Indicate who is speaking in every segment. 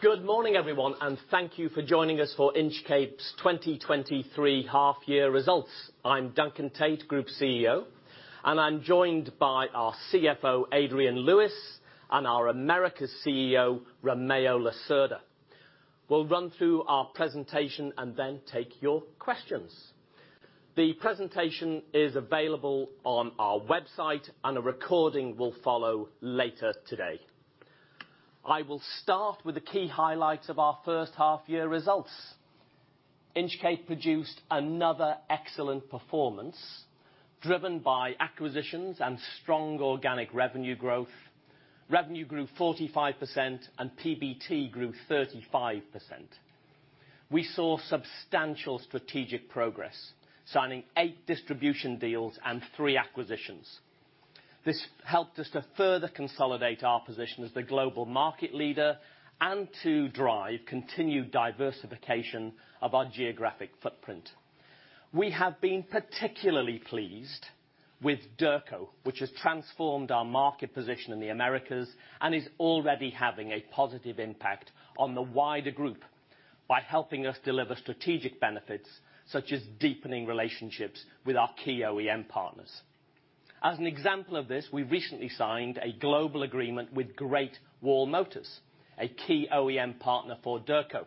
Speaker 1: Good morning, everyone, and thank you for joining us for Inchcape's 2023 half-year results. I'm Duncan Tait, Group CEO, and I'm joined by our CFO, Adrian Lewis, and our Americas CEO, Romeo Lacerda. We'll run through our presentation and then take your questions. The presentation is available on our website, and a recording will follow later today. I will start with the key highlights of our H1 results. Inchcape produced another excellent performance, driven by acquisitions and strong organic revenue growth. Revenue grew 45%, and PBT grew 35%. We saw substantial strategic progress, signing eight distribution deals and three acquisitions. This helped us to further consolidate our position as the global market leader and to drive continued diversification of our geographic footprint. We have been particularly pleased with Derco, which has transformed our market position in the Americas and is already having a positive impact on the wider group by helping us deliver strategic benefits, such as deepening relationships with our key OEM partners. As an example of this, we recently signed a global agreement with Great Wall Motor, a key OEM partner for Derco.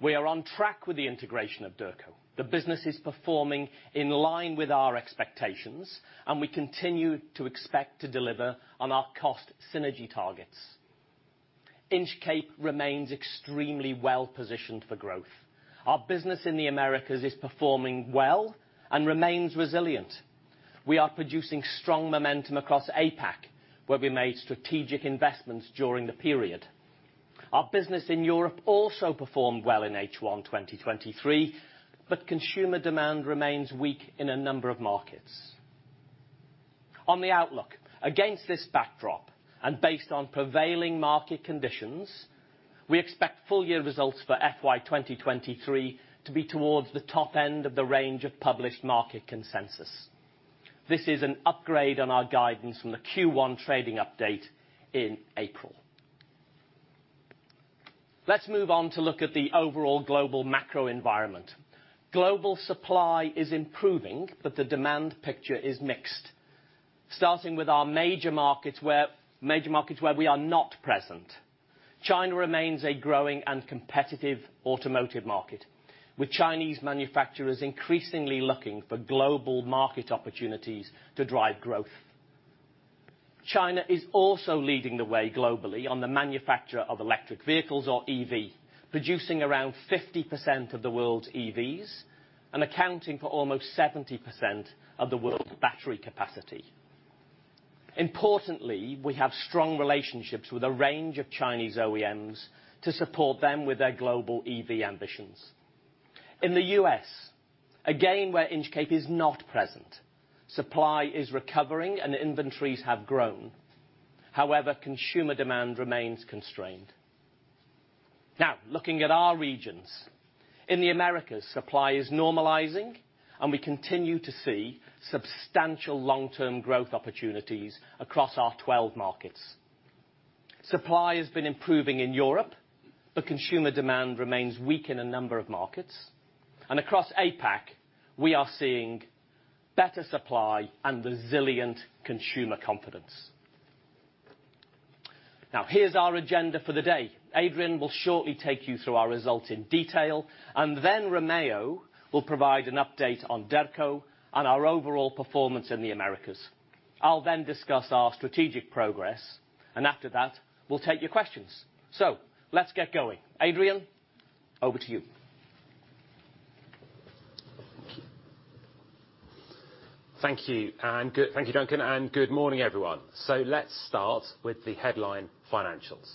Speaker 1: We are on track with the integration of Derco. The business is performing in line with our expectations, and we continue to expect to deliver on our cost synergy targets. Inchcape remains extremely well positioned for growth. Our business in the Americas is performing well and remains resilient. We are producing strong momentum across APAC, where we made strategic investments during the period. Our business in Europe also performed well in H1 2023, but consumer demand remains weak in a number of markets. On the outlook, against this backdrop, and based on prevailing market conditions, we expect full-year results for FY 2023 to be towards the top end of the range of published market consensus. This is an upgrade on our guidance from the Q1 trading update in April. Let's move on to look at the overall global macro environment. Global supply is improving, the demand picture is mixed. Starting with our major markets where we are not present, China remains a growing and competitive automotive market, with Chinese manufacturers increasingly looking for global market opportunities to drive growth. China is also leading the way globally on the manufacture of electric vehicles, or EV, producing around 50% of the world's EVs and accounting for almost 70% of the world's battery capacity. Importantly, we have strong relationships with a range of Chinese OEMs to support them with their global EV ambitions. In the U.S., again, where Inchcape is not present, supply is recovering, and inventories have grown. However, consumer demand remains constrained. Looking at our regions, in the Americas, supply is normalizing, and we continue to see substantial long-term growth opportunities across our 12 markets. Supply has been improving in Europe, but consumer demand remains weak in a number of markets, and across APAC, we are seeing better supply and resilient consumer confidence. Here's our agenda for the day. Adrian will shortly take you through our results in detail, and then Romeo will provide an update on Derco and our overall performance in the Americas. I'll then discuss our strategic progress, and after that, we'll take your questions. Let's get going. Adrian, over to you.
Speaker 2: Thank you. Thank you, Duncan, good morning, everyone. Let's start with the headline financials.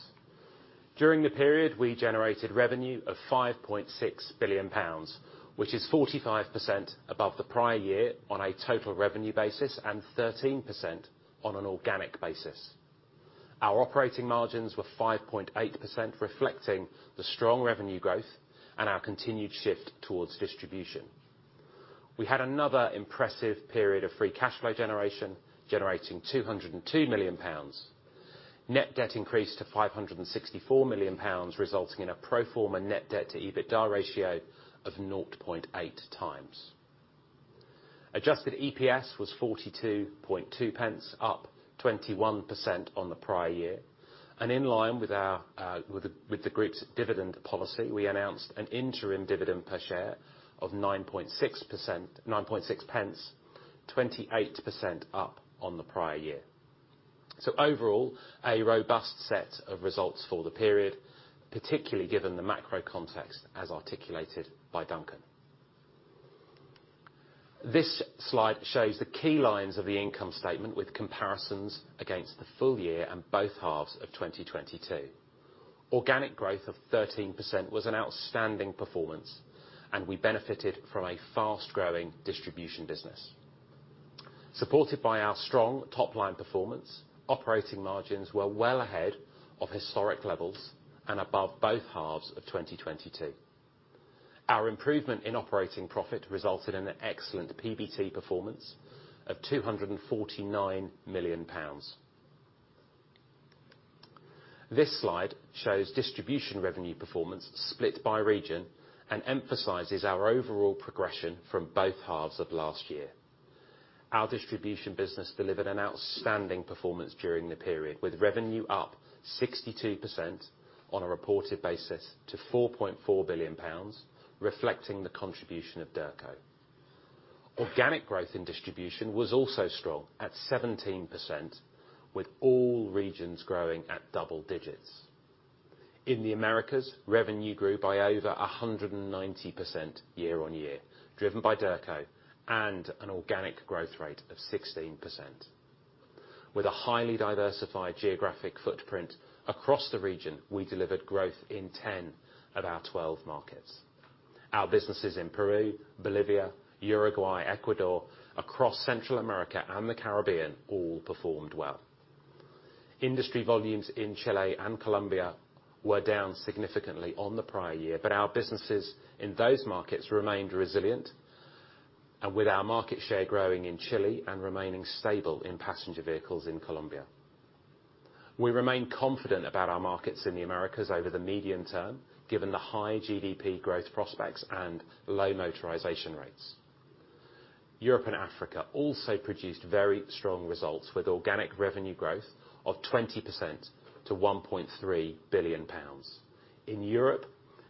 Speaker 2: During the period, we generated revenue of 5.6 billion pounds, which is 45% above the prior year on a total revenue basis and 13% on an organic basis. Our operating margins were 5.8%, reflecting the strong revenue growth and our continued shift towards distribution. We had another impressive period of free cash flow generation, generating 202 million pounds. Net debt increased to 564 million pounds, resulting in a pro forma net debt to EBITDA ratio of 0.8x. Adjusted EPS was 42.2 pence, up 21% on the prior year. In line with our, with the group's dividend policy, we announced an interim dividend per share of 9.6 pence, 28% up on the prior year. Overall, a robust set of results for the period, particularly given the macro context as articulated by Duncan. This slide shows the key lines of the income statement with comparisons against the full year and both halves of 2022. Organic growth of 13% was an outstanding performance, and we benefited from a fast-growing distribution business. Supported by our strong top-line performance, operating margins were well ahead of historic levels and above both halves of 2022. Our improvement in operating profit resulted in an excellent PBT performance of 249 million pounds. This slide shows distribution revenue performance split by region and emphasizes our overall progression from both halves of last year. Our distribution business delivered an outstanding performance during the period, with revenue up 62% on a reported basis to 4.4 billion pounds, reflecting the contribution of Derco. Organic growth in distribution was also strong at 17%, with all regions growing at double digits. In the Americas, revenue grew by over 190% year-on-year, driven by Derco and an organic growth rate of 16%. With a highly diversified geographic footprint across the region, we delivered growth in 10 of our 12 markets. Our businesses in Peru, Bolivia, Uruguay, Ecuador, across Central America and the Caribbean all performed well. Industry volumes in Chile and Colombia were down significantly on the prior year, but our businesses in those markets remained resilient, and with our market share growing in Chile and remaining stable in passenger vehicles in Colombia. We remain confident about our markets in the Americas over the medium term, given the high GDP growth prospects and low motorization rates. Europe and Africa also produced very strong results, with organic revenue growth of 20% to 1.3 billion pounds. In Europe,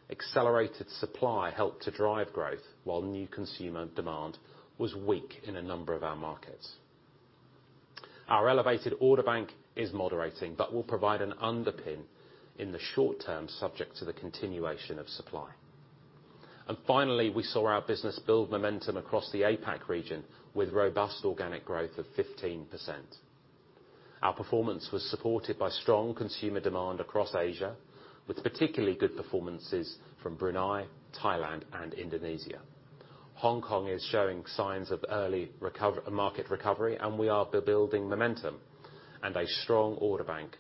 Speaker 2: accelerated supply helped to drive growth, while new consumer demand was weak in a number of our markets. Our elevated order bank is moderating, but will provide an underpin in the short term, subject to the continuation of supply. Finally, we saw our business build momentum across the APAC region, with robust organic growth of 15%. Our performance was supported by strong consumer demand across Asia, with particularly good performances from Brunei, Thailand, and Indonesia. Hong Kong is showing signs of early market recovery, and we are building momentum and a strong order bank,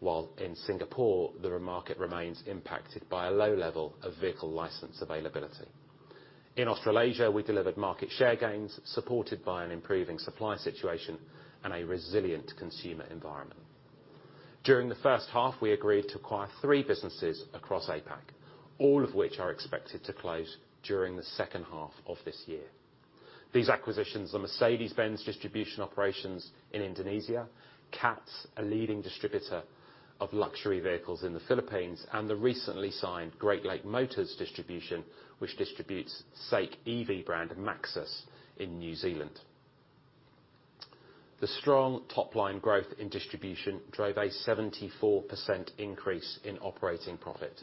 Speaker 2: while in Singapore, the market remains impacted by a low level of vehicle license availability. In Australasia, we delivered market share gains, supported by an improving supply situation and a resilient consumer environment. During the H1, we agreed to acquire three businesses across APAC, all of which are expected to close during the H2 of this year. These acquisitions are Mercedes-Benz distribution operations in Indonesia, CATS, a leading distributor of luxury vehicles in the Philippines, and the recently signed Great Lakes Motor Distributors, which distributes SAIC EV brand MAXUS in New Zealand. The strong top-line growth in distribution drove a 74% increase in operating profit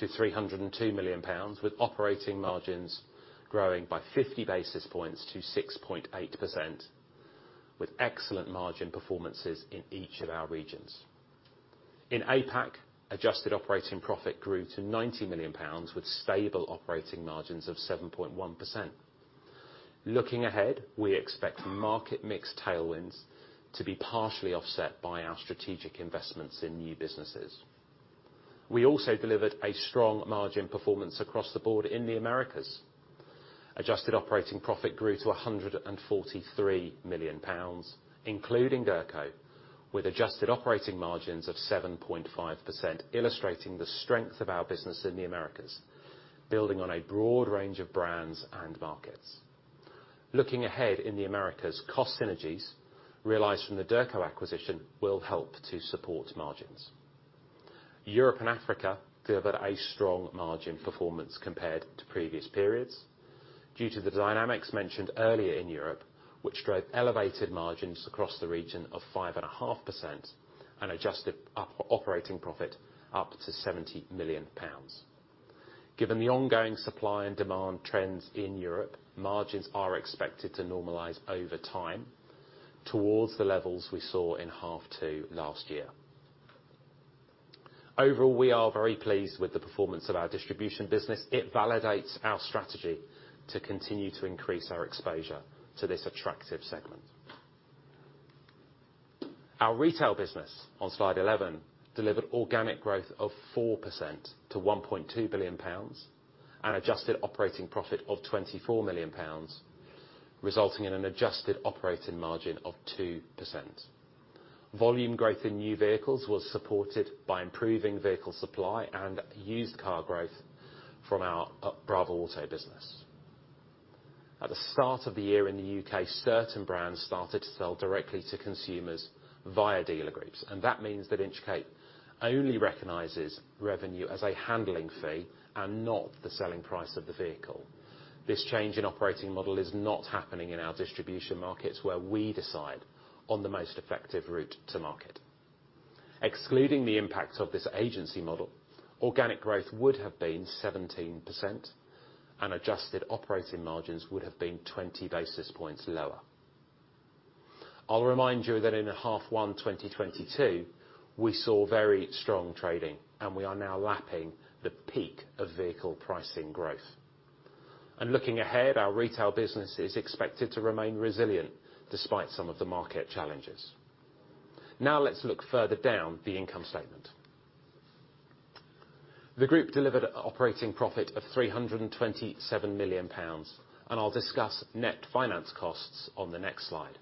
Speaker 2: to 302 million pounds, with operating margins growing by 50 basis points to 6.8%, with excellent margin performances in each of our regions. In APAC, adjusted operating profit grew to 90 million pounds, with stable operating margins of 7.1%. Looking ahead, we expect market mix tailwinds to be partially offset by our strategic investments in new businesses. We also delivered a strong margin performance across the board in the Americas. Adjusted operating profit grew to 143 million pounds, including Derco, with adjusted operating margins of 7.5%, illustrating the strength of our business in the Americas, building on a broad range of brands and markets. Looking ahead, in the Americas, cost synergies realized from the Derco acquisition will help to support margins. Europe and Africa delivered a strong margin performance compared to previous periods due to the dynamics mentioned earlier in Europe, which drove elevated margins across the region of 5.5% and adjusted operating profit up to 70 million pounds. Given the ongoing supply and demand trends in Europe, margins are expected to normalize over time towards the levels we saw in H2 last year. Overall, we are very pleased with the performance of our distribution business. It validates our strategy to continue to increase our exposure to this attractive segment. Our retail business, on slide 11, delivered organic growth of 4% to 1.2 billion pounds and adjusted operating profit of 24 million pounds, resulting in an adjusted operating margin of 2%. Volume growth in new vehicles was supported by improving vehicle supply and used car growth from our bravoauto business. At the start of the year in the UK, certain brands started to sell directly to consumers via dealer groups. That means that Inchcape only recognizes revenue as a handling fee and not the selling price of the vehicle. This change in operating model is not happening in our distribution markets, where we decide on the most effective route to market. Excluding the impact of this agency model, organic growth would have been 17% and adjusted operating margins would have been 20 basis points lower. I'll remind you that in H1, 2022, we saw very strong trading. We are now lapping the peak of vehicle pricing growth. Looking ahead, our retail business is expected to remain resilient despite some of the market challenges. Now let's look further down the income statement. The group delivered operating profit of 327 million pounds, and I'll discuss net finance costs on the next slide.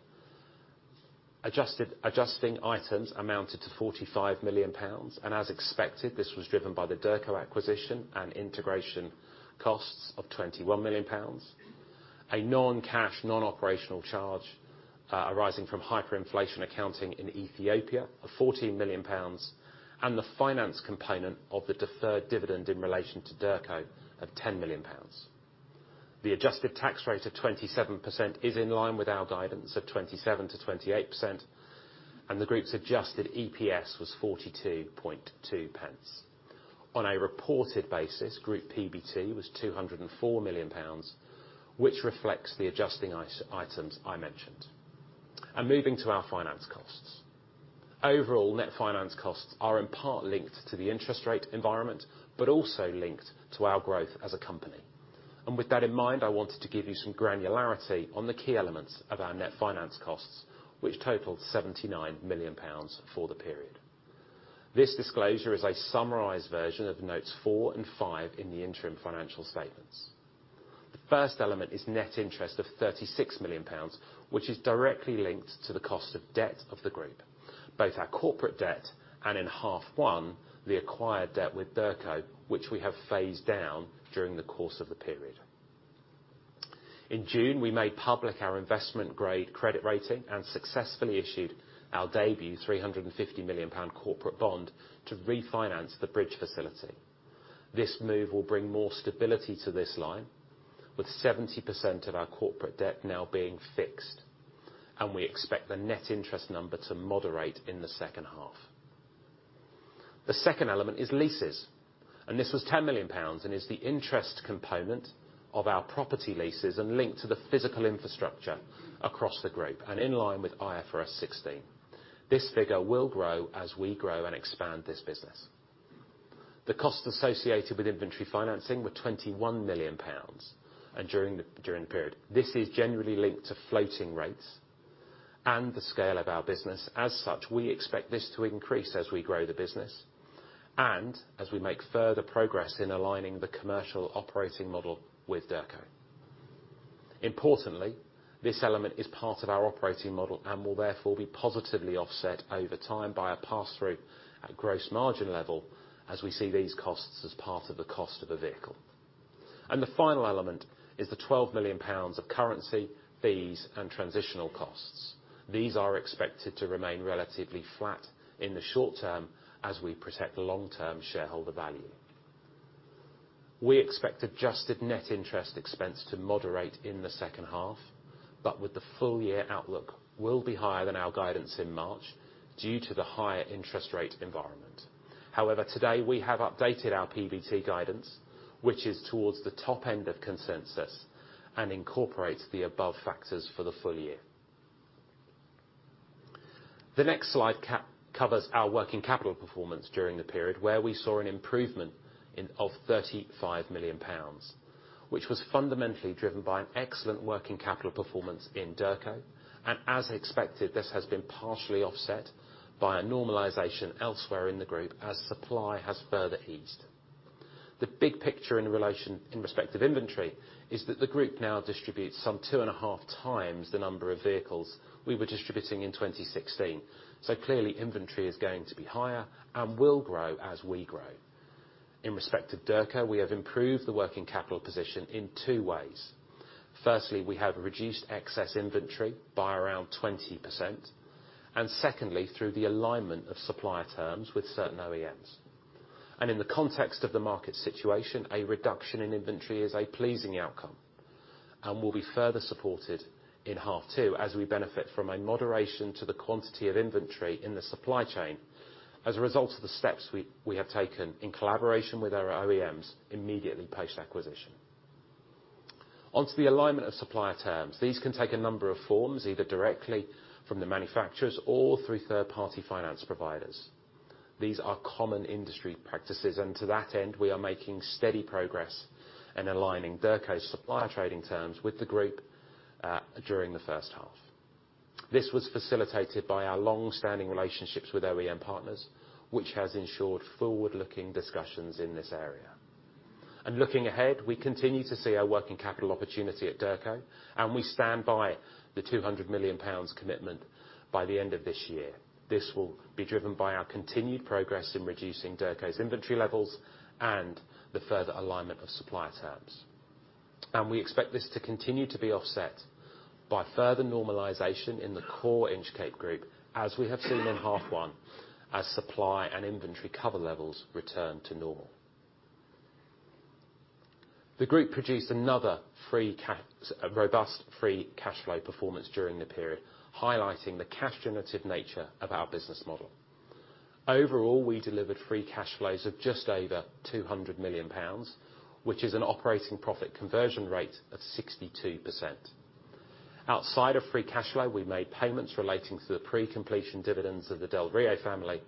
Speaker 2: Adjusting items amounted to 45 million pounds, and as expected, this was driven by the Derco acquisition and integration costs of 21 million pounds, a non-cash, non-operational charge arising from hyperinflation accounting in Ethiopia of 14 million pounds, and the finance component of the deferred dividend in relation to Derco of 10 million pounds. The adjusted tax rate of 27% is in line with our guidance of 27% to 28%, and the group's adjusted EPS was 0.422. On a reported basis, group PBT was 204 million pounds, which reflects the adjusting items I mentioned. Moving to our finance costs. Overall, net finance costs are in part linked to the interest rate environment, but also linked to our growth as a company. With that in mind, I wanted to give you some granularity on the key elements of our net finance costs, which totaled 79 million pounds for the period. This disclosure is a summarized version of notes four and five in the interim financial statements. The first element is net interest of 36 million pounds, which is directly linked to the cost of debt of the group, both our corporate debt and in H1, the acquired debt with Derco, which we have phased down during the course of the period. In June, we made public our investment-grade credit rating and successfully issued our debut 350 million pound corporate bond to refinance the bridge facility. This move will bring more stability to this line, with 70% of our corporate debt now being fixed, and we expect the net interest number to moderate in the H2. The second element is leases, this was 10 million pounds, and is the interest component of our property leases and linked to the physical infrastructure across the group and in line with IFRS 16. This figure will grow as we grow and expand this business. The cost associated with inventory financing were 21 million pounds during the period. This is generally linked to floating rates and the scale of our business. We expect this to increase as we grow the business, and as we make further progress in aligning the commercial operating model with Derco. Importantly, this element is part of our operating model and will therefore be positively offset over time by a pass-through at gross margin level as we see these costs as part of the cost of a vehicle. The final element is the 12 million pounds of currency, fees, and transitional costs. These are expected to remain relatively flat in the short term as we protect long-term shareholder value. We expect adjusted net interest expense to moderate in the H2, but with the full year outlook will be higher than our guidance in March due to the higher interest rate environment. Today we have updated our PBT guidance, which is towards the top end of consensus and incorporates the above factors for the full year. The next slide covers our working capital performance during the period, where we saw an improvement of 35 million pounds, which was fundamentally driven by an excellent working capital performance in Derco. As expected, this has been partially offset by a normalization elsewhere in the group as supply has further eased. The big picture in relation, in respect of inventory, is that the group now distributes some 2.5x the number of vehicles we were distributing in 2016. Clearly, inventory is going to be higher and will grow as we grow. In respect to Derco, we have improved the working capital position in two ways. Firstly, we have reduced excess inventory by around 20%, and secondly, through the alignment of supplier terms with certain OEMs. In the context of the market situation, a reduction in inventory is a pleasing outcome and will be further supported in H2 as we benefit from a moderation to the quantity of inventory in the supply chain as a result of the steps we have taken in collaboration with our OEMs immediately post-acquisition. Onto the alignment of supplier terms. These can take a number of forms, either directly from the manufacturers or through third-party finance providers. These are common industry practices, and to that end, we are making steady progress in aligning Derco's supplier trading terms with the group during the H1. This was facilitated by our long-standing relationships with OEM partners, which has ensured forward-looking discussions in this area. Looking ahead, we continue to see our working capital opportunity at Derco, and we stand by the 200 million pounds commitment by the end of this year. This will be driven by our continued progress in reducing Derco's inventory levels and the further alignment of supplier terms. We expect this to continue to be offset by further normalization in the core Inchcape group, as we have seen in H1, as supply and inventory cover levels return to normal. The group produced another robust free cash flow performance during the period, highlighting the cash-generative nature of our business model. Overall, we delivered free cash flows of just over 200 million pounds, which is an operating profit conversion rate of 62%. Outside of free cash flow, we made payments relating to the pre-completion dividends of the Del Río family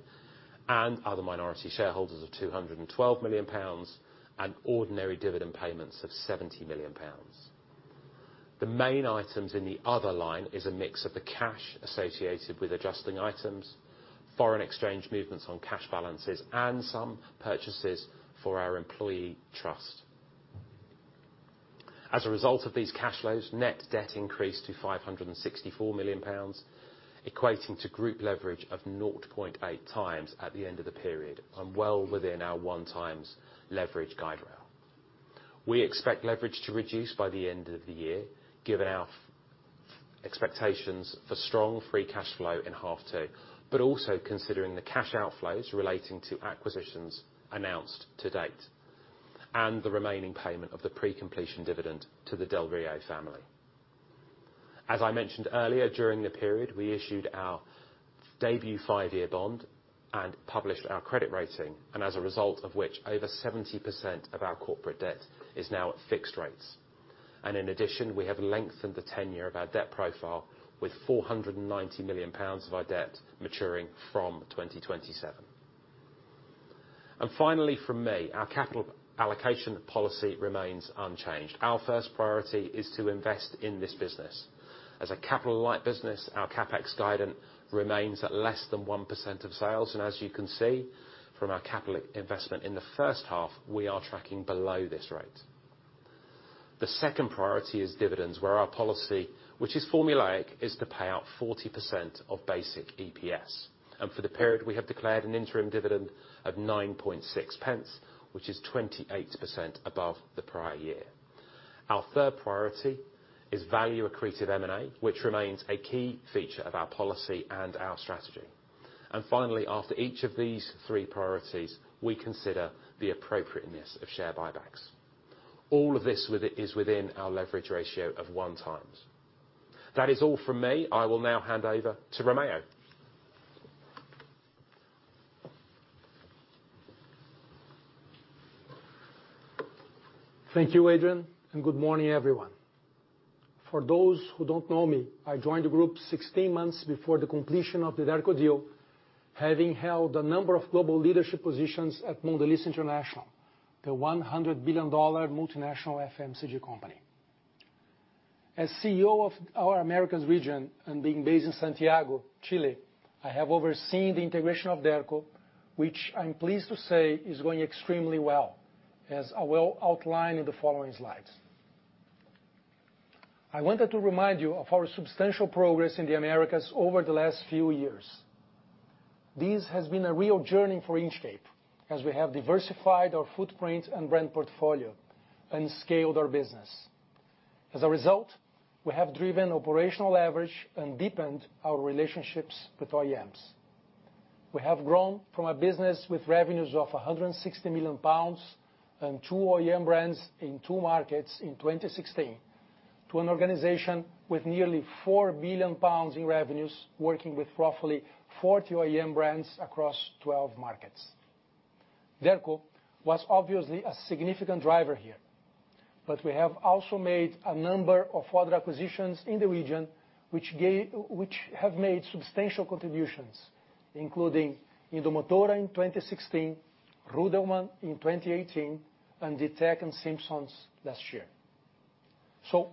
Speaker 2: and other minority shareholders of 212 million pounds, and ordinary dividend payments of 70 million pounds. The main items in the other line is a mix of the cash associated with adjusting items, foreign exchange movements on cash balances, and some purchases for our employee trust. As a result of these cash flows, net debt increased to 564 million pounds, equating to group leverage of 0.8x at the end of the period, and well within our 1x leverage guide rail. We expect leverage to reduce by the end of the year, given our expectations for strong, free cash flow in H2, but also considering the cash outflows relating to acquisitions announced to date, the remaining payment of the pre-completion dividend to the Del Río family. As I mentioned earlier, during the period, we issued our debut 5-year bond and published our credit rating, as a result of which, over 70% of our corporate debt is now at fixed rates. In addition, we have lengthened the tenure of our debt profile with 490 million pounds of our debt maturing from 2027. Finally, from me, our capital allocation policy remains unchanged. Our first priority is to invest in this business. As a capital-light business, our CapEx guidance remains at less than 1% of sales, and as you can see from our capital investment in the H1, we are tracking below this rate. The second priority is dividends, where our policy, which is formulaic, is to pay out 40% of basic EPS. For the period, we have declared an interim dividend of 9.6 pence, which is 28% above the prior year. Our third priority is value accretive M&A, which remains a key feature of our policy and our strategy. Finally, after each of these three priorities, we consider the appropriateness of share buybacks. All of this with it, is within our leverage ratio of 1x. That is all from me. I will now hand over to Romeo.
Speaker 3: Thank you, Adrian, good morning, everyone. For those who don't know me, I joined the group 16 months before the completion of the Derco deal, having held a number of global leadership positions at Mondelēz International, the $100 billion multinational FMCG company. As CEO of our Americas region and being based in Santiago, Chile, I have overseen the integration of Derco, which I'm pleased to say is going extremely well, as I will outline in the following slides. I wanted to remind you of our substantial progress in the Americas over the last few years. This has been a real journey for Inchcape, as we have diversified our footprint and brand portfolio and scaled our business. As a result, we have driven operational leverage and deepened our relationships with OEMs. We have grown from a business with revenues of 160 million pounds and two OEM brands in two markets in 2016, to an organization with nearly 4 billion pounds in revenues, working with roughly 40 OEM brands across 12 markets. Derco was obviously a significant driver here, but we have also made a number of other acquisitions in the region, which have made substantial contributions, including Indumotora in 2016, Rudelman in 2018, and Ditec and Simpsons last year.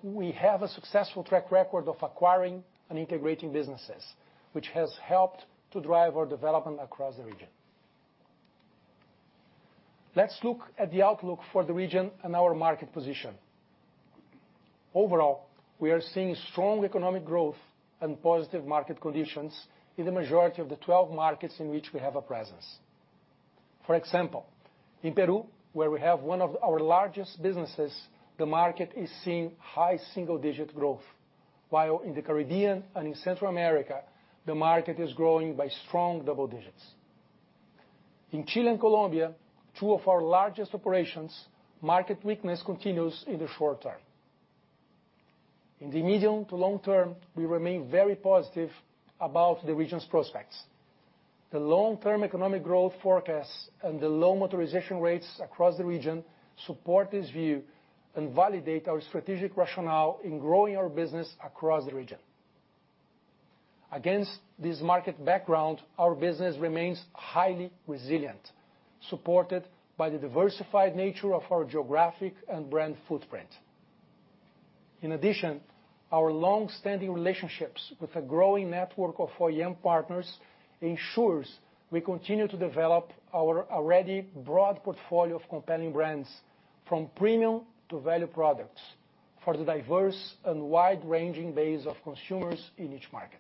Speaker 3: We have a successful track record of acquiring and integrating businesses, which has helped to drive our development across the region. Let's look at the outlook for the region and our market position. Overall, we are seeing strong economic growth and positive market conditions in the majority of the 12 markets in which we have a presence. For example, in Peru, where we have one of our largest businesses, the market is seeing high single-digit growth, while in the Caribbean and in Central America, the market is growing by strong double digits. In Chile and Colombia, two of our largest operations, market weakness continues in the short term. In the medium to long term, we remain very positive about the region's prospects. The long-term economic growth forecasts and the low motorization rates across the region support this view and validate our strategic rationale in growing our business across the region. Against this market background, our business remains highly resilient, supported by the diversified nature of our geographic and brand footprint. In addition, our long-standing relationships with a growing network of OEM partners ensures we continue to develop our already broad portfolio of compelling brands, from premium to value products, for the diverse and wide-ranging base of consumers in each market.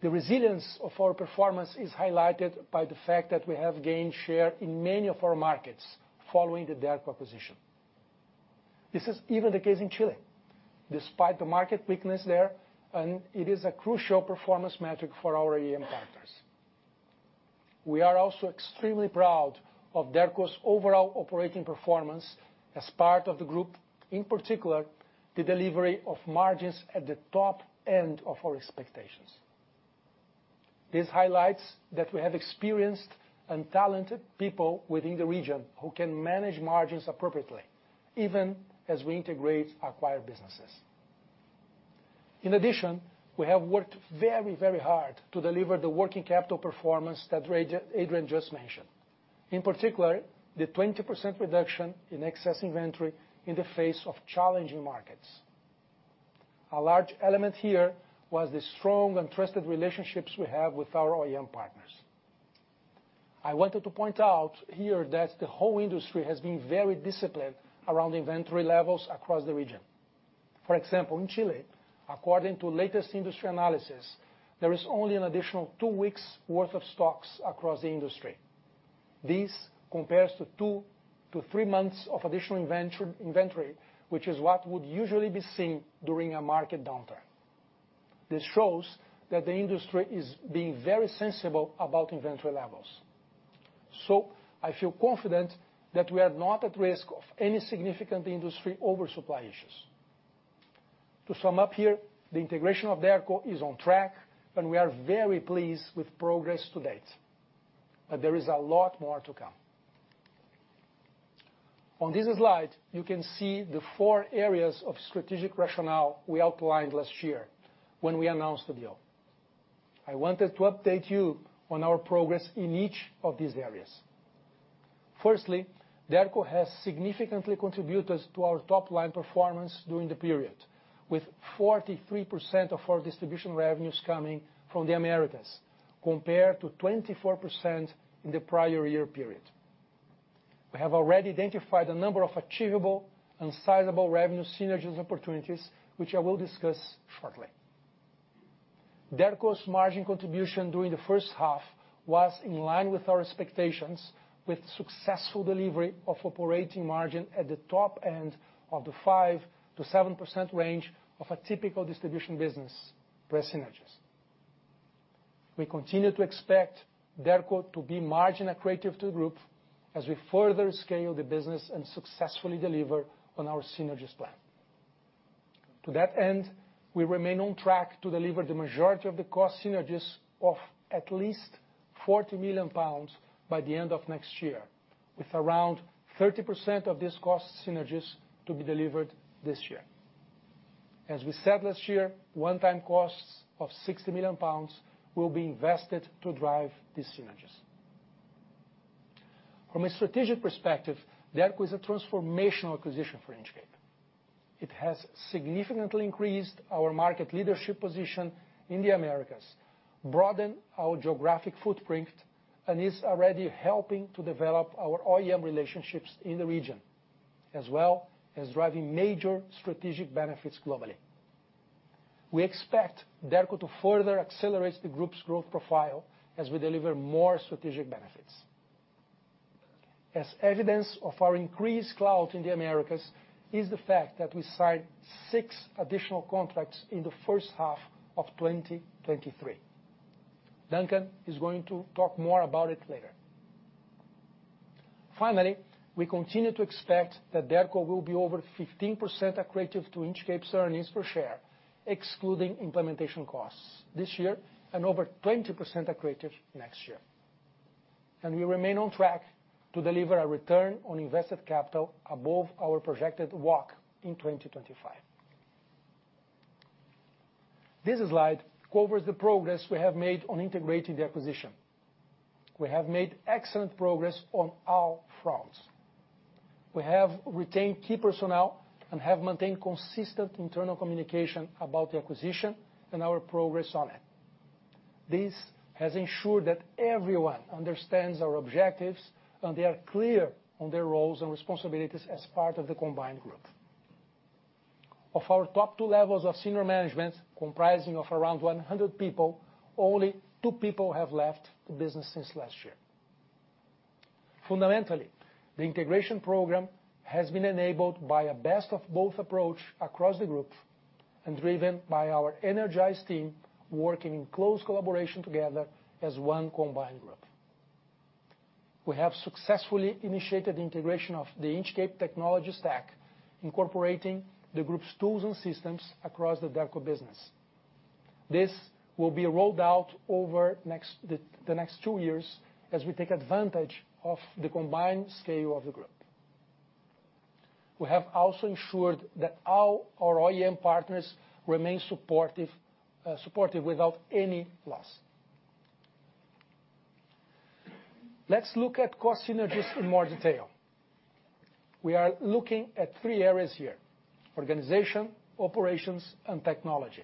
Speaker 3: The resilience of our performance is highlighted by the fact that we have gained share in many of our markets following the Derco acquisition. This is even the case in Chile, despite the market weakness there, and it is a crucial performance metric for our OEM partners. We are also extremely proud of Derco's overall operating performance as part of the group, in particular, the delivery of margins at the top end of our expectations. This highlights that we have experienced and talented people within the region who can manage margins appropriately, even as we integrate acquired businesses. In addition, we have worked very, very hard to deliver the working capital performance that Adrian just mentioned. In particular, the 20% reduction in excess inventory in the face of challenging markets. A large element here was the strong and trusted relationships we have with our OEM partners. I wanted to point out here that the whole industry has been very disciplined around inventory levels across the region. For example, in Chile, according to latest industry analysis, there is only an additional two weeks' worth of stocks across the industry. This compares to two to three months of additional inventory, which is what would usually be seen during a market downturn. This shows that the industry is being very sensible about inventory levels. I feel confident that we are not at risk of any significant industry oversupply issues. To sum up here, the integration of Derco is on track. We are very pleased with progress to date. There is a lot more to come. On this slide, you can see the four areas of strategic rationale we outlined last year when we announced the deal. I wanted to update you on our progress in each of these areas. Firstly, Derco has significantly contributed to our top-line performance during the period, with 43% of our distribution revenues coming from the Americas, compared to 24% in the prior year period. We have already identified a number of achievable and sizable revenue synergies opportunities, which I will discuss shortly. Derco's margin contribution during the H1 was in line with our expectations, with successful delivery of operating margin at the top end of the 5% to 7% range of a typical distribution business pre-synergies. We continue to expect Derco to be margin accretive to the group as we further scale the business and successfully deliver on our synergies plan. To that end, we remain on track to deliver the majority of the cost synergies of at least 40 million pounds by the end of next year, with around 30% of these cost synergies to be delivered this year. As we said last year, one-time costs of 60 million pounds will be invested to drive these synergies. From a strategic perspective, Derco is a transformational acquisition for Inchcape. It has significantly increased our market leadership position in the Americas, broadened our geographic footprint, and is already helping to develop our OEM relationships in the region, as well as driving major strategic benefits globally. We expect Derco to further accelerate the group's growth profile as we deliver more strategic benefits. As evidence of our increased clout in the Americas is the fact that we signed six additional contracts in the H1 of 2023. Duncan is going to talk more about it later. We continue to expect that Derco will be over 15% accretive to Inchcape's earnings per share, excluding implementation costs this year and over 20% accretive next year. We remain on track to deliver a return on invested capital above our projected WACC in 2025. This slide covers the progress we have made on integrating the acquisition. We have made excellent progress on all fronts. We have retained key personnel and have maintained consistent internal communication about the acquisition and our progress on it. This has ensured that everyone understands our objectives, and they are clear on their roles and responsibilities as part of the combined group. Of our top two levels of senior management, comprising of around 100 people, only two people have left the business since last year. Fundamentally, the integration program has been enabled by a best-of-both approach across the group and driven by our energized team working in close collaboration together as one combined group. We have successfully initiated the integration of the Inchcape technology stack, incorporating the group's tools and systems across the Derco business. This will be rolled out over the next two years as we take advantage of the combined scale of the group. We have also ensured that all our OEM partners remain supportive without any loss. Let's look at cost synergies in more detail. We are looking at three areas here: organization, operations, and technology.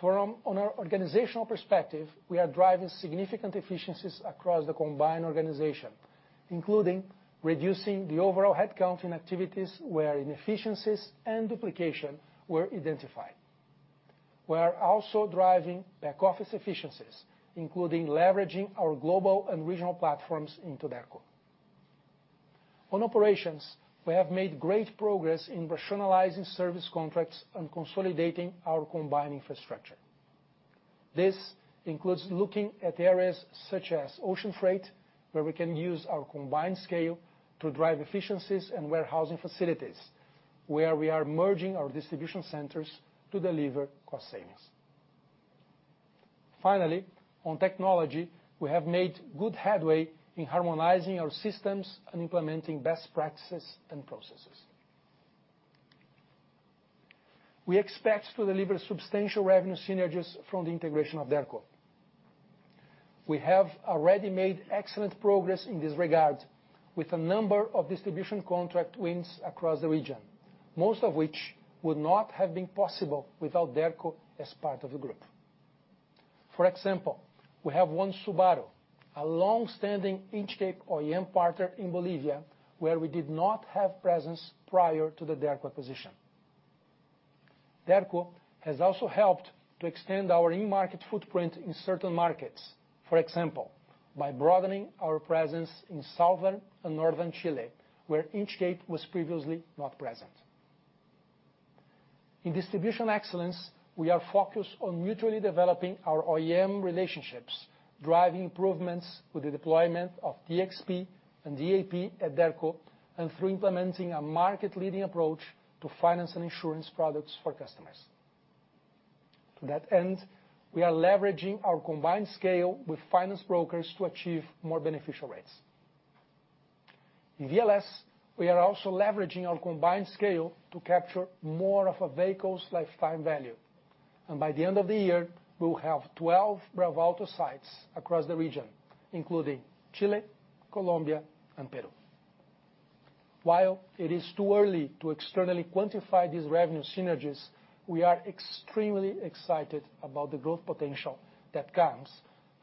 Speaker 3: From an organizational perspective, we are driving significant efficiencies across the combined organization, including reducing the overall headcount in activities where inefficiencies and duplication were identified. We are also driving back-office efficiencies, including leveraging our global and regional platforms into Derco. On operations, we have made great progress in rationalizing service contracts and consolidating our combined infrastructure. This includes looking at areas such as ocean freight, where we can use our combined scale to drive efficiencies, and warehousing facilities, where we are merging our distribution centers to deliver cost savings. Finally, on technology, we have made good headway in harmonizing our systems and implementing best practices and processes. We expect to deliver substantial revenue synergies from the integration of Derco. We have already made excellent progress in this regard, with a number of distribution contract wins across the region, most of which would not have been possible without Derco as part of the group. For example, we have won Subaru, a long-standing Inchcape OEM partner in Bolivia, where we did not have presence prior to the Derco acquisition. Derco has also helped to extend our in-market footprint in certain markets. For example, by broadening our presence in southern and northern Chile, where Inchcape was previously not present. In distribution excellence, we are focused on mutually developing our OEM relationships, driving improvements with the deployment of DXP and DAP at Derco, and through implementing a market-leading approach to finance and insurance products for customers. To that end, we are leveraging our combined scale with finance brokers to achieve more beneficial rates. In VLS, we are also leveraging our combined scale to capture more of a vehicle's lifetime value, and by the end of the year, we will have 12 bravoauto sites across the region, including Chile, Colombia, and Peru. While it is too early to externally quantify these revenue synergies, we are extremely excited about the growth potential that comes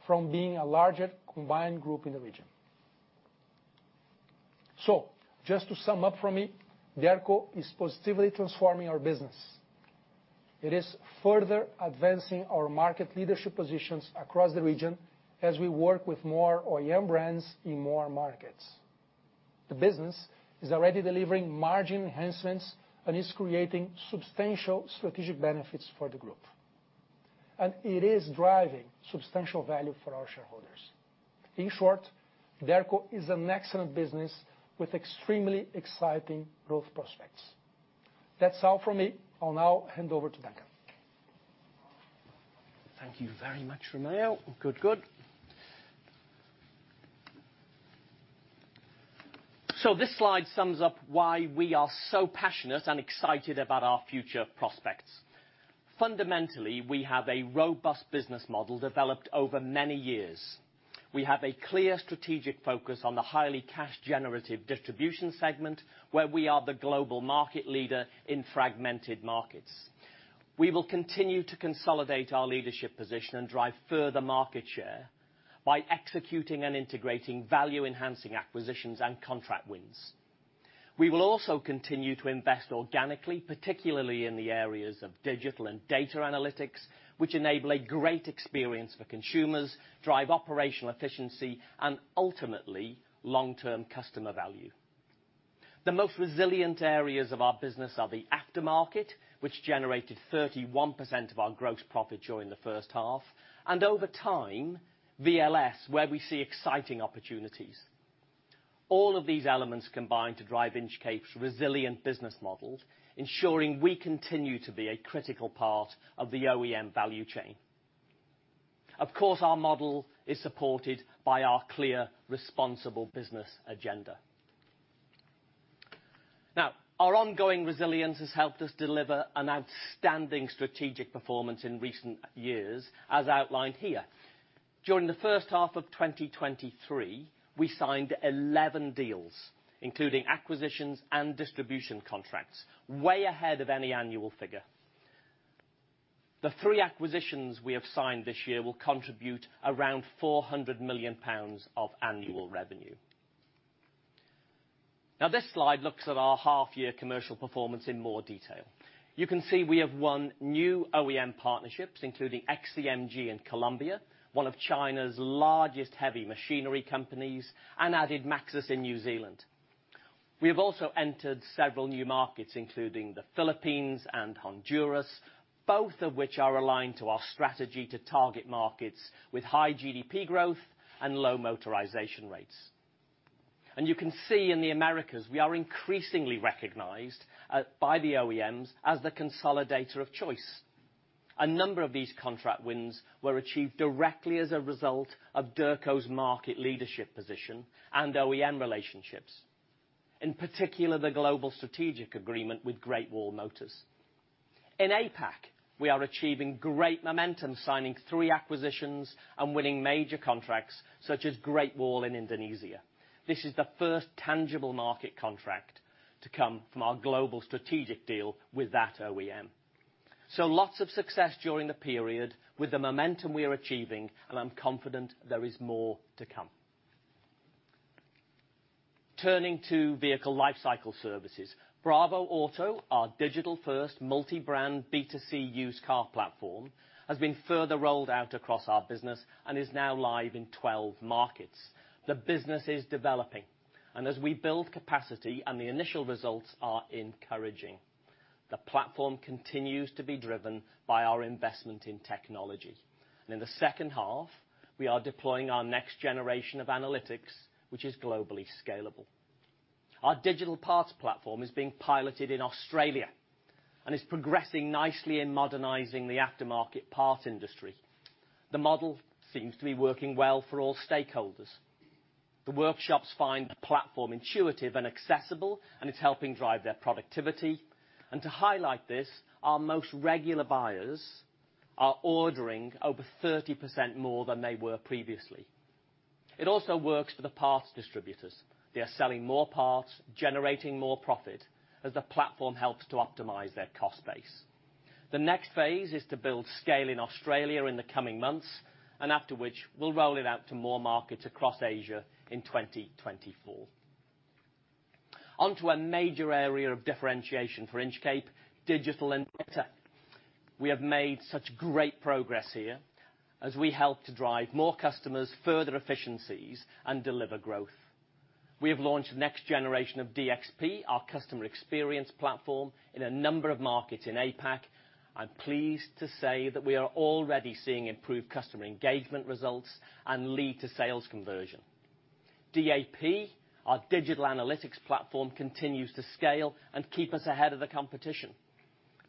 Speaker 3: from being a larger, combined group in the region. Just to sum up for me, Derco is positively transforming our business. It is further advancing our market leadership positions across the region as we work with more OEM brands in more markets. The business is already delivering margin enhancements and is creating substantial strategic benefits for the group, and it is driving substantial value for our shareholders. In short, Derco is an excellent business with extremely exciting growth prospects. That's all for me. I'll now hand over to Duncan.
Speaker 1: Thank you very much, Romeo. Good, good. This slide sums up why we are so passionate and excited about our future prospects. Fundamentally, we have a robust business model developed over many years. We have a clear strategic focus on the highly cash-generative distribution segment, where we are the global market leader in fragmented markets. We will continue to consolidate our leadership position and drive further market share by executing and integrating value-enhancing acquisitions and contract wins. We will also continue to invest organically, particularly in the areas of digital and data analytics, which enable a great experience for consumers, drive operational efficiency, and ultimately, long-term customer value. The most resilient areas of our business are the aftermarket, which generated 31% of our gross profit during the H1, and over time, VLS, where we see exciting opportunities. All of these elements combine to drive Inchcape's resilient business model, ensuring we continue to be a critical part of the OEM value chain. Of course, our model is supported by our clear, responsible business agenda. Our ongoing resilience has helped us deliver an outstanding strategic performance in recent years, as outlined here. During the H1 of 2023, we signed 11 deals, including acquisitions and distribution contracts, way ahead of any annual figure. The three acquisitions we have signed this year will contribute around 400 million pounds of annual revenue. This slide looks at our half-year commercial performance in more detail. You can see we have won new OEM partnerships, including XCMG in Colombia, one of China's largest heavy machinery companies, and added MAXUS in New Zealand. We have also entered several new markets, including the Philippines and Honduras, both of which are aligned to our strategy to target markets with high GDP growth and low motorization rates. You can see in the Americas, we are increasingly recognized by the OEMs as the consolidator of choice. A number of these contract wins were achieved directly as a result of Derco's market leadership position and OEM relationships, in particular, the global strategic agreement with Great Wall Motor. In APAC, we are achieving great momentum, signing three acquisitions and winning major contracts such as Great Wall Motor in Indonesia. This is the first tangible market contract to come from our global strategic deal with that OEM. Lots of success during the period with the momentum we are achieving, and I'm confident there is more to come. Turning to vehicle lifecycle services, bravoauto, our digital-first, multi-brand, B2C used car platform, has been further rolled out across our business and is now live in 12 markets. The business is developing, and as we build capacity and the initial results are encouraging. The platform continues to be driven by our investment in technology. In the H2, we are deploying our next generation of analytics, which is globally scalable. Our digital parts platform is being piloted in Australia, and is progressing nicely in modernizing the aftermarket parts industry. The model seems to be working well for all stakeholders. The workshops find the platform intuitive and accessible, and it's helping drive their productivity. To highlight this, our most regular buyers are ordering over 30% more than they were previously. It also works for the parts distributors. They are selling more parts, generating more profit, as the platform helps to optimize their cost base. The next phase is to build scale in Australia in the coming months, after which, we'll roll it out to more markets across Asia in 2024. On to a major area of differentiation for Inchcape, digital and data. We have made such great progress here as we help to drive more customers, further efficiencies, and deliver growth. We have launched the next generation of DXP, our customer experience platform, in a number of markets in APAC. I'm pleased to say that we are already seeing improved customer engagement results and lead to sales conversion. DAP, our digital analytics platform, continues to scale and keep us ahead of the competition.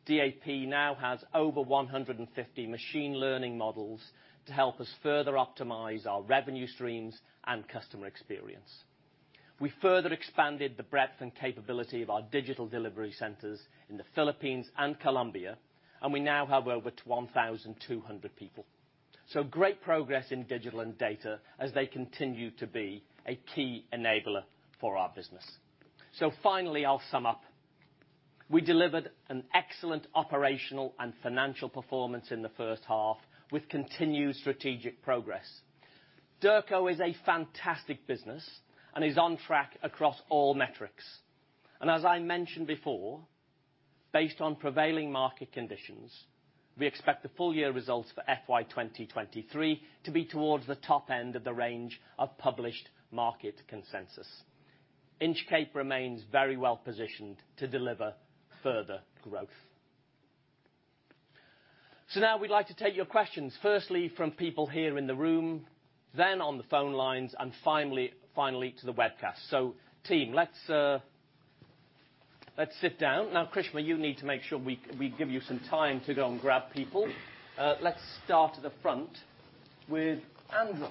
Speaker 1: DAP now has over 150 machine learning models to help us further optimize our revenue streams and customer experience. We further expanded the breadth and capability of our digital delivery centers in the Philippines and Colombia, and we now have over 1,200 people. Great progress in digital and data as they continue to be a key enabler for our business. Finally, I'll sum up. We delivered an excellent operational and financial performance in the H1, with continued strategic progress. Derco is a fantastic business, and is on track across all metrics. As I mentioned before, based on prevailing market conditions, we expect the full year results for FY 2023 to be towards the top end of the range of published market consensus. Inchcape remains very well positioned to deliver further growth. Now we'd like to take your questions, firstly, from people here in the room, then on the phone lines, and finally, to the webcast. Team, let's sit down. Now, Krishna, you need to make sure we give you some time to go and grab people. Let's start at the front with Andrew.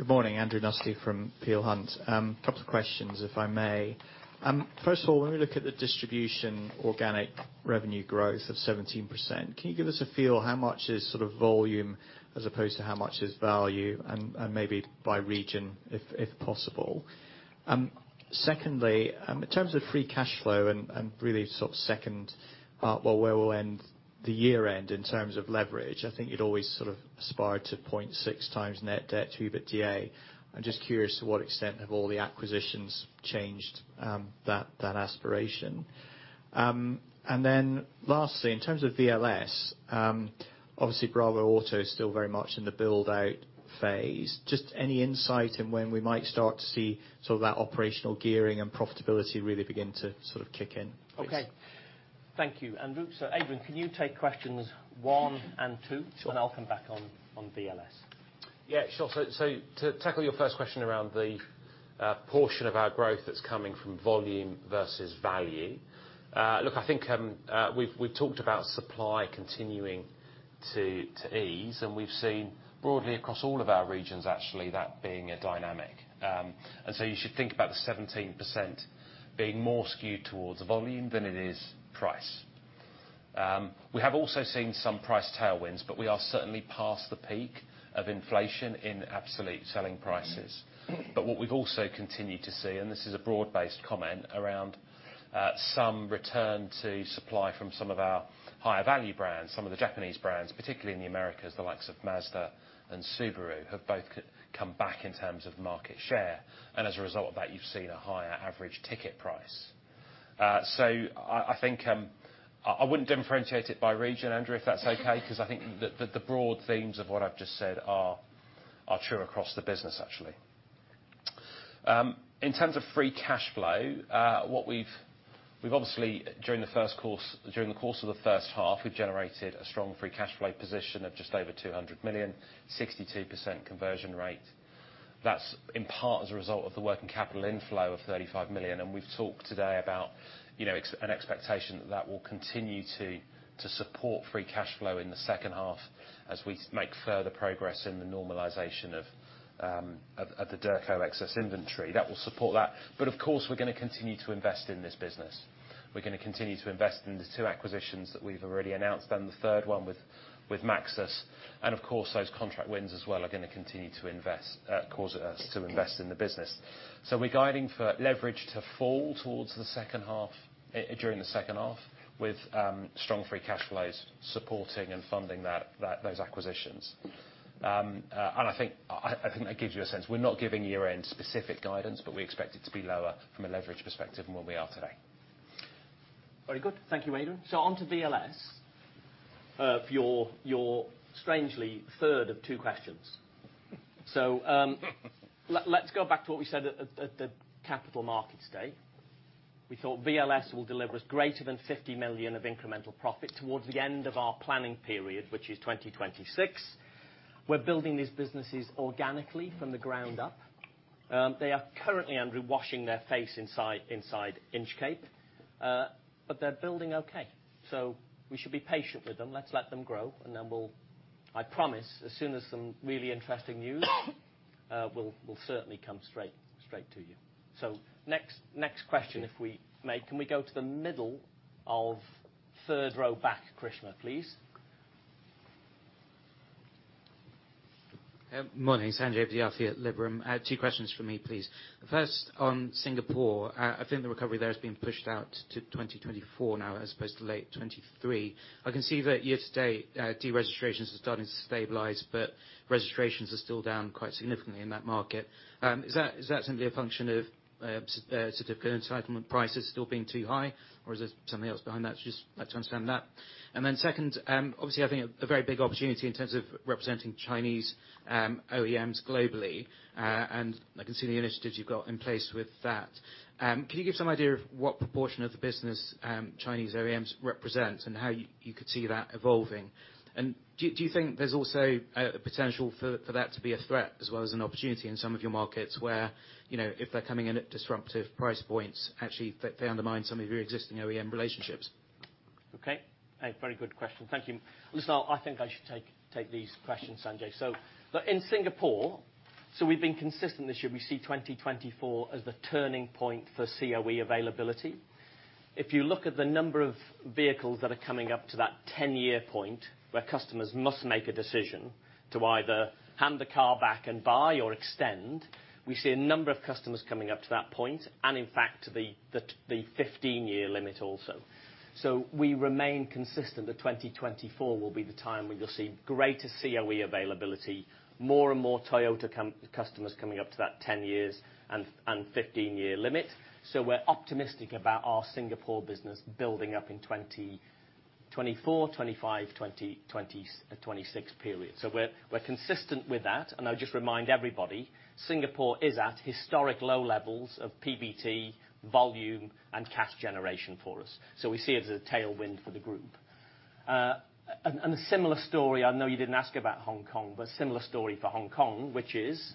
Speaker 4: Good morning, Andrew Nussey from Peel Hunt. A couple of questions, if I may. First of all, when we look at the distribution organic revenue growth of 17%, can you give us a feel how much is sort of volume, as opposed to how much is value, and maybe by region, if possible? Secondly, in terms of free cash flow and really sort of second part, where we'll end the year-end in terms of leverage, I think you'd always sort of aspire to 0.6x net debt to EBITDA. I'm just curious to what extent have all the acquisitions changed that aspiration? Lastly, in terms of VLS, obviously, bravoauto is still very much in the build-out phase. Just any insight in when we might start to see sort of that operational gearing and profitability really begin to sort of kick in, please?
Speaker 1: Okay. Thank you, Andrew. Adrian, can you take questions one and two?
Speaker 2: Sure.
Speaker 1: I'll come back on VLS.
Speaker 2: Yeah, sure. To tackle your first question around the portion of our growth that's coming from volume versus value. Look, I think we've talked about supply continuing to ease, and we've seen broadly across all of our regions, actually, that being a dynamic. You should think about the 17% being more skewed towards volume than it is price. We have also seen some price tailwinds, but we are certainly past the peak of inflation in absolute selling prices. What we've also continued to see, and this is a broad-based comment, around some return to supply from some of our higher value brands, some of the Japanese brands, particularly in the Americas, the likes of Mazda and Subaru, have both come back in terms of market share. As a result of that, you've seen a higher average ticket price. I think, I wouldn't differentiate it by region, Andrew, if that's okay, because I think the broad themes of what I've just said are true across the business, actually. In terms of free cash flow, we've obviously, during the course of the H1, we've generated a strong free cash flow position of just over 200 million, 62% conversion rate. That's in part as a result of the working capital inflow of 35 million, and we've talked today about, you know, an expectation that that will continue to support free cash flow in the H2 as we make further progress in the normalization of the Derco excess inventory. That will support that. Of course, we're gonna continue to invest in this business. We're gonna continue to invest in the two acquisitions that we've already announced, and the third one with MAXUS, and of course, those contract wins as well are gonna continue to invest, cause us to invest in the business. We're guiding for leverage to fall towards the H2, during the H2, with strong free cash flows supporting and funding those acquisitions. I think that gives you a sense. We're not giving year-end specific guidance, but we expect it to be lower from a leverage perspective than where we are today.
Speaker 1: Very good. Thank you, Adrian. On to VLS, for your strangely third of two questions. Let's go back to what we said at the capital markets day. We thought VLS will deliver us greater than 50 million of incremental profit towards the end of our planning period, which is 2026. We're building these businesses organically from the ground up. They are currently, Andrew, washing their face inside Inchcape, but they're building okay, so we should be patient with them. Let's let them grow, and then I promise, as soon as some really interesting news, we'll certainly come straight to you. Next question, if we may. Can we go to the middle of third row back, Krishna, please?
Speaker 5: Morning, Sanjay Vidyarthi at Liberum. I have two questions for me, please. First, on Singapore, I think the recovery there has been pushed out to 2024 now, as opposed to late 2023. I can see that year-to-date, de-registrations are starting to stabilize, but registrations are still down quite significantly in that market. Is that, is that simply a function of certificate entitlement prices still being too high, or is there something else behind that? Just like to understand that. Second, obviously, I think a very big opportunity in terms of representing Chinese OEMs globally, and I can see the initiatives you've got in place with that. Can you give some idea of what proportion of the business Chinese OEMs represent, and how you could see that evolving? Do you think there's also a potential for that to be a threat as well as an opportunity in some of your markets, where, you know, if they're coming in at disruptive price points, actually, they undermine some of your existing OEM relationships?
Speaker 1: Okay. A very good question. Thank you. Listen, I think I should take these questions, Sanjay. Look, in Singapore, so we've been consistent this year. We see 2024 as the turning point for COE availability. If you look at the number of vehicles that are coming up to that 10-year point, where customers must make a decision to either hand the car back and buy or extend, we see a number of customers coming up to that point, and in fact, the 15-year limit also. We remain consistent that 2024 will be the time when you'll see greater COE availability, more and more Toyota customers coming up to that 10 years and 15-year limit. We're optimistic about our Singapore business building up in 2024, 2025, 2026 period. We're consistent with that, and I'll just remind everybody, Singapore is at historic low levels of PBT, volume, and cash generation for us, so we see it as a tailwind for the group. A similar story, I know you didn't ask about Hong Kong, but a similar story for Hong Kong, which is,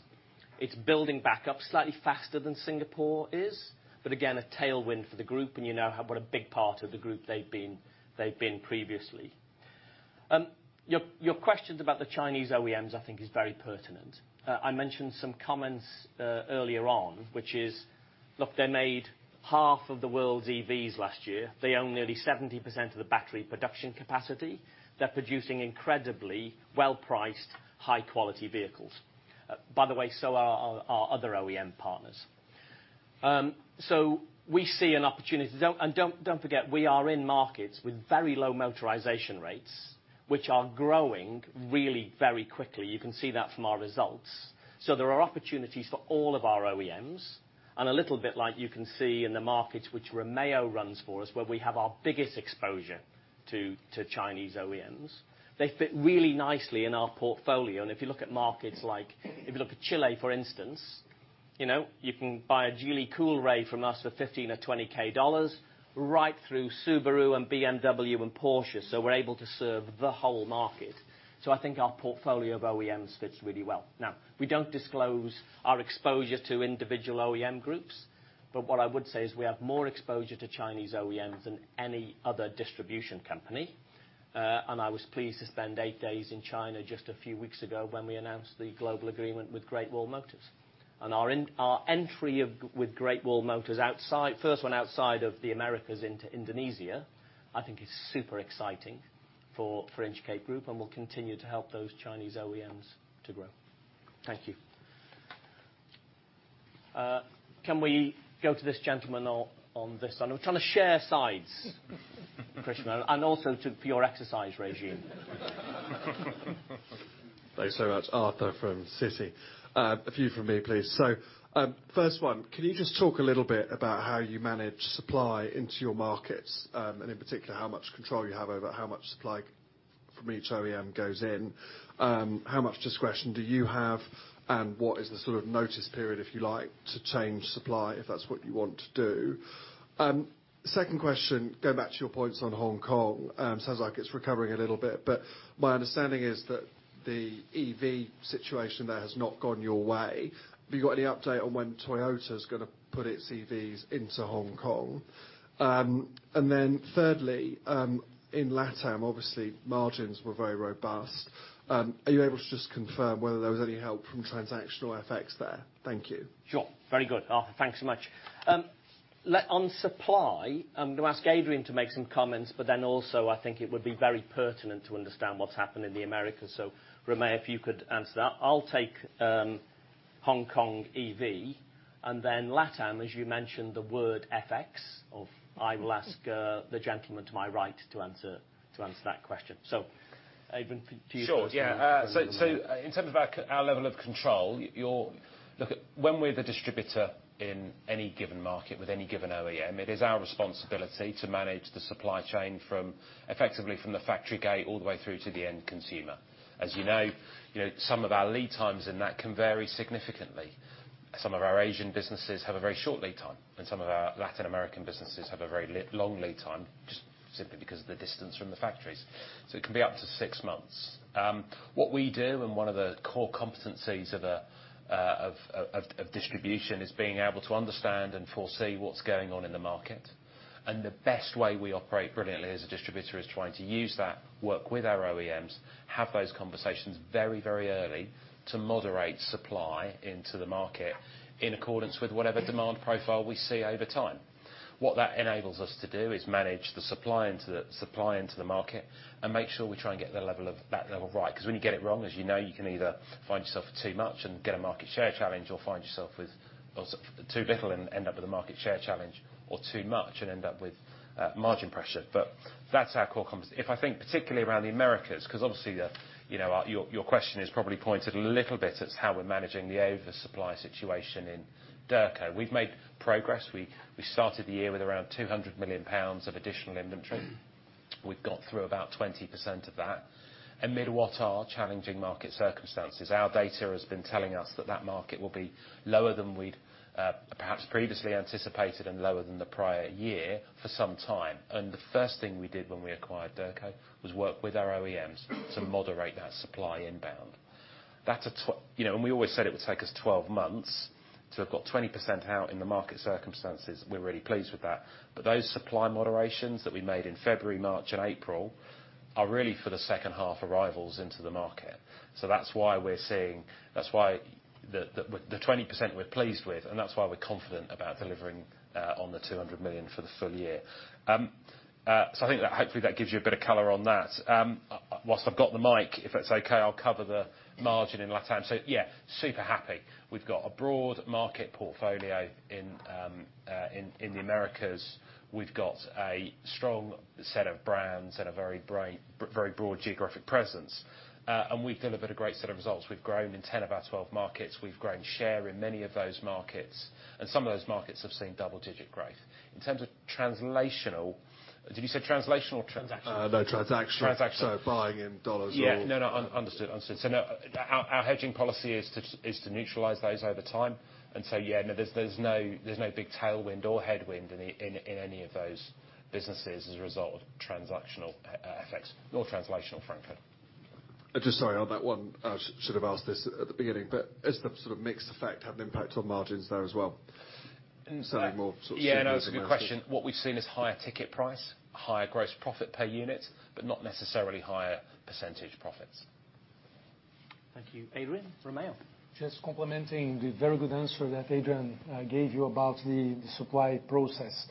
Speaker 1: it's building back up slightly faster than Singapore is, but again, a tailwind for the group, and you know what a big part of the group they've been previously. Your questions about the Chinese OEMs, I think, is very pertinent. I mentioned some comments earlier on, which is. Look, they made half of the world's EVs last year. They own nearly 70% of the battery production capacity. They're producing incredibly well-priced, high-quality vehicles. By the way, so are our other OEM partners. We see an opportunity, don't forget, we are in markets with very low motorization rates, which are growing really very quickly. You can see that from our results. There are opportunities for all of our OEMs, a little bit like you can see in the markets which Romeo runs for us, where we have our biggest exposure to Chinese OEMs. They fit really nicely in our portfolio. If you look at markets like Chile, for instance, you know, you can buy a Geely Coolray from us for $15K or $20K, right through Subaru and BMW and Porsche, we're able to serve the whole market. I think our portfolio of OEMs fits really well. Now, we don't disclose our exposure to individual OEM groups, but what I would say is we have more exposure to Chinese OEMs than any other distribution company, and I was pleased to spend eight days in China just a few weeks ago when we announced the global agreement with Great Wall Motor. Our entry of, with Great Wall Motor outside, first one outside of the Americas into Indonesia, I think is super exciting for Inchcape Group, and will continue to help those Chinese OEMs to grow. Thank you. Can we go to this gentleman on this side? I'm trying to share sides, Krishna, and also to, for your exercise regime.
Speaker 6: Thanks so much. Arthur from Citi. A few from me, please. First one, can you just talk a little bit about how you manage supply into your markets, and in particular, how much control you have over how much supply from each OEM goes in? How much discretion do you have, and what is the sort of notice period, if you like, to change supply, if that's what you want to do? Second question, going back to your points on Hong Kong, sounds like it's recovering a little bit, but my understanding is that the EV situation there has not gone your way. Have you got any update on when Toyota's gonna put its EVs into Hong Kong? Thirdly, in Latam, obviously, margins were very robust. Are you able to just confirm whether there was any help from transactional effects there? Thank you.
Speaker 1: Sure. Very good, Arthur. Thanks so much. On supply, I'm going to ask Adrian to make some comments. Also, I think it would be very pertinent to understand what's happened in the Americas. Romeo, if you could answer that. I'll take Hong Kong EV, and then LatAm, as you mentioned, the word FX.
Speaker 2: Mm-hmm.
Speaker 1: I will ask the gentleman to my right to answer that question. Adrian, could you.
Speaker 2: Sure. Yeah. In terms of our level of control. Look, when we're the distributor in any given market with any given OEM, it is our responsibility to manage the supply chain from, effectively, from the factory gate all the way through to the end consumer. As you know, you know, some of our lead times in that can vary significantly. Some of our Asian businesses have a very short lead time, and some of our Latin American businesses have a very long lead time, just simply because of the distance from the factories. It can be up to six months. What we do, and one of the core competencies of distribution, is being able to understand and foresee what's going on in the market, and the best way we operate brilliantly as a distributor is trying to use that, work with our OEMs, have those conversations very, very early to moderate supply into the market in accordance with whatever demand profile we see over time. What that enables us to do is manage the supply into the market and make sure we try and get that level right. When you get it wrong, as you know, you can either find yourself with too much and get a market share challenge, or find yourself with also too little and end up with a market share challenge, or too much and end up with margin pressure. That's our core competence. If I think particularly around the Americas, 'cause obviously the, you know, your question is probably pointed a little bit at how we're managing the oversupply situation in Derco. We've made progress. We started the year with around 200 million pounds of additional inventory. We've got through about 20% of that. Amid what are challenging market circumstances, our data has been telling us that that market will be lower than we'd perhaps previously anticipated and lower than the prior year for some time. The first thing we did when we acquired Derco was work with our OEMs to moderate that supply inbound. That's You know, and we always said it would take us 12 months. We've got 20% out in the market circumstances, we're really pleased with that. Those supply moderations that we made in February, March, and April are really for the H2 arrivals into the market. That's why we're seeing. That's why the 20% we're pleased with, and that's why we're confident about delivering on the 200 million for the full year. I think that, hopefully, that gives you a bit of color on that. Whilst I've got the mic, if that's okay, I'll cover the margin in LatAm. Yeah, super happy. We've got a broad market portfolio in the Americas. We've got a strong set of brands and a very bright, very broad geographic presence. We've delivered a great set of results. We've grown in 10 of our 12 markets. We've grown share in many of those markets, and some of those markets have seen double-digit growth. In terms of translational, did you say translational or transactional?
Speaker 6: No, transactional.
Speaker 2: Transactional.
Speaker 6: buying in dollars or...
Speaker 2: Yeah. No, no, understood. Now, our hedging policy is to, is to neutralize those over time, yeah, no, there's no, there's no big tailwind or headwind in any of those businesses as a result of transactional effects, nor translational, frankly.
Speaker 6: Just sorry, on that one, I should have asked this at the beginning, but does the sort of mixed effect have an impact on margins there as well?
Speaker 2: In fact-
Speaker 6: Selling more sorts of-
Speaker 2: Yeah, no, good question. What we've seen is higher ticket price, higher gross profit per unit, but not necessarily higher percentage profits.
Speaker 1: Thank you, Adrian. Romeo?
Speaker 3: Just complementing the very good answer that Adrian gave you about the supply process.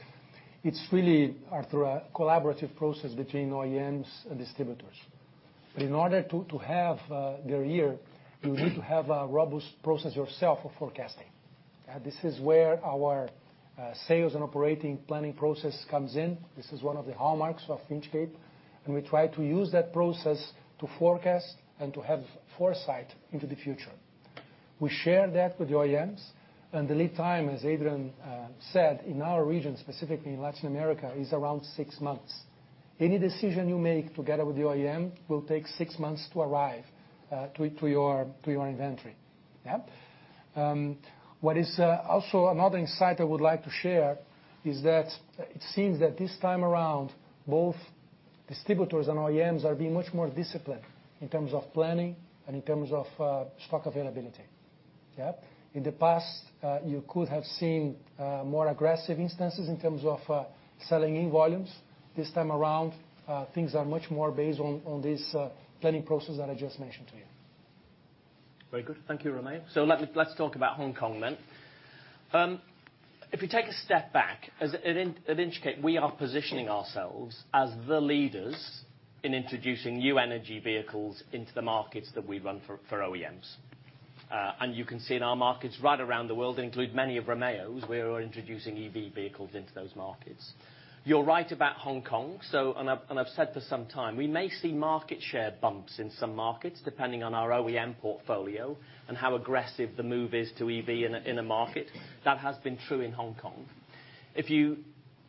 Speaker 3: It's really through a collaborative process between OEMs and distributors. In order to have their year, you need to have a robust process yourself of forecasting. This is where our sales and operating planning process comes in. This is one of the hallmarks of Inchcape, and we try to use that process to forecast and to have foresight into the future. We share that with the OEMs, the lead time, as Adrian said, in our region, specifically in Latin America, is around six months. Any decision you make together with the OEM will take six months to arrive to your inventory. Yeah? What is also another insight I would like to share is that it seems that this time around, both distributors and OEMs are being much more disciplined in terms of planning and in terms of stock availability. Yeah? In the past, you could have seen more aggressive instances in terms of selling in volumes. This time around, things are much more based on this planning process that I just mentioned to you.
Speaker 1: Very good. Thank you, Romeo. Let's talk about Hong Kong then. If you take a step back, as at Inchcape, we are positioning ourselves as the leaders in introducing new energy vehicles into the markets that we run for OEMs. You can see in our markets right around the world, include many of Romeo's, we are introducing EV vehicles into those markets. You're right about Hong Kong, so. I've said for some time, we may see market share bumps in some markets, depending on our OEM portfolio and how aggressive the move is to EV in a market. That has been true in Hong Kong.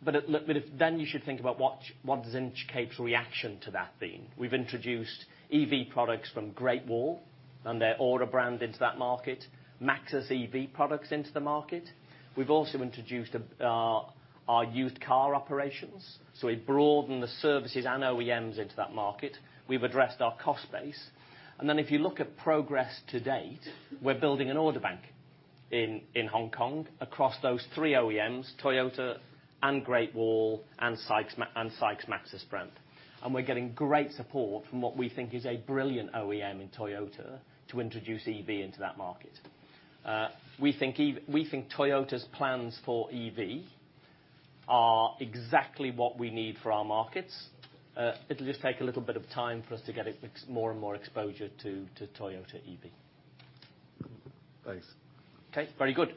Speaker 1: Look, you should think about what is Inchcape's reaction to that theme? We've introduced EV products from Great Wall and their Ora brand into that market, MAXUS EV products into the market. We've also introduced our used car operations, so we've broadened the services and OEMs into that market. We've addressed our cost base. If you look at progress to date, we're building an order bank in Hong Kong across those three OEMs, Toyota and Great Wall and SAIC MAXUS brand. We're getting great support from what we think is a brilliant OEM in Toyota to introduce EV into that market. We think Toyota's plans for EV are exactly what we need for our markets. It'll just take a little bit of time for us to get it, more and more exposure to Toyota EV.
Speaker 6: Thanks.
Speaker 1: Okay, very good.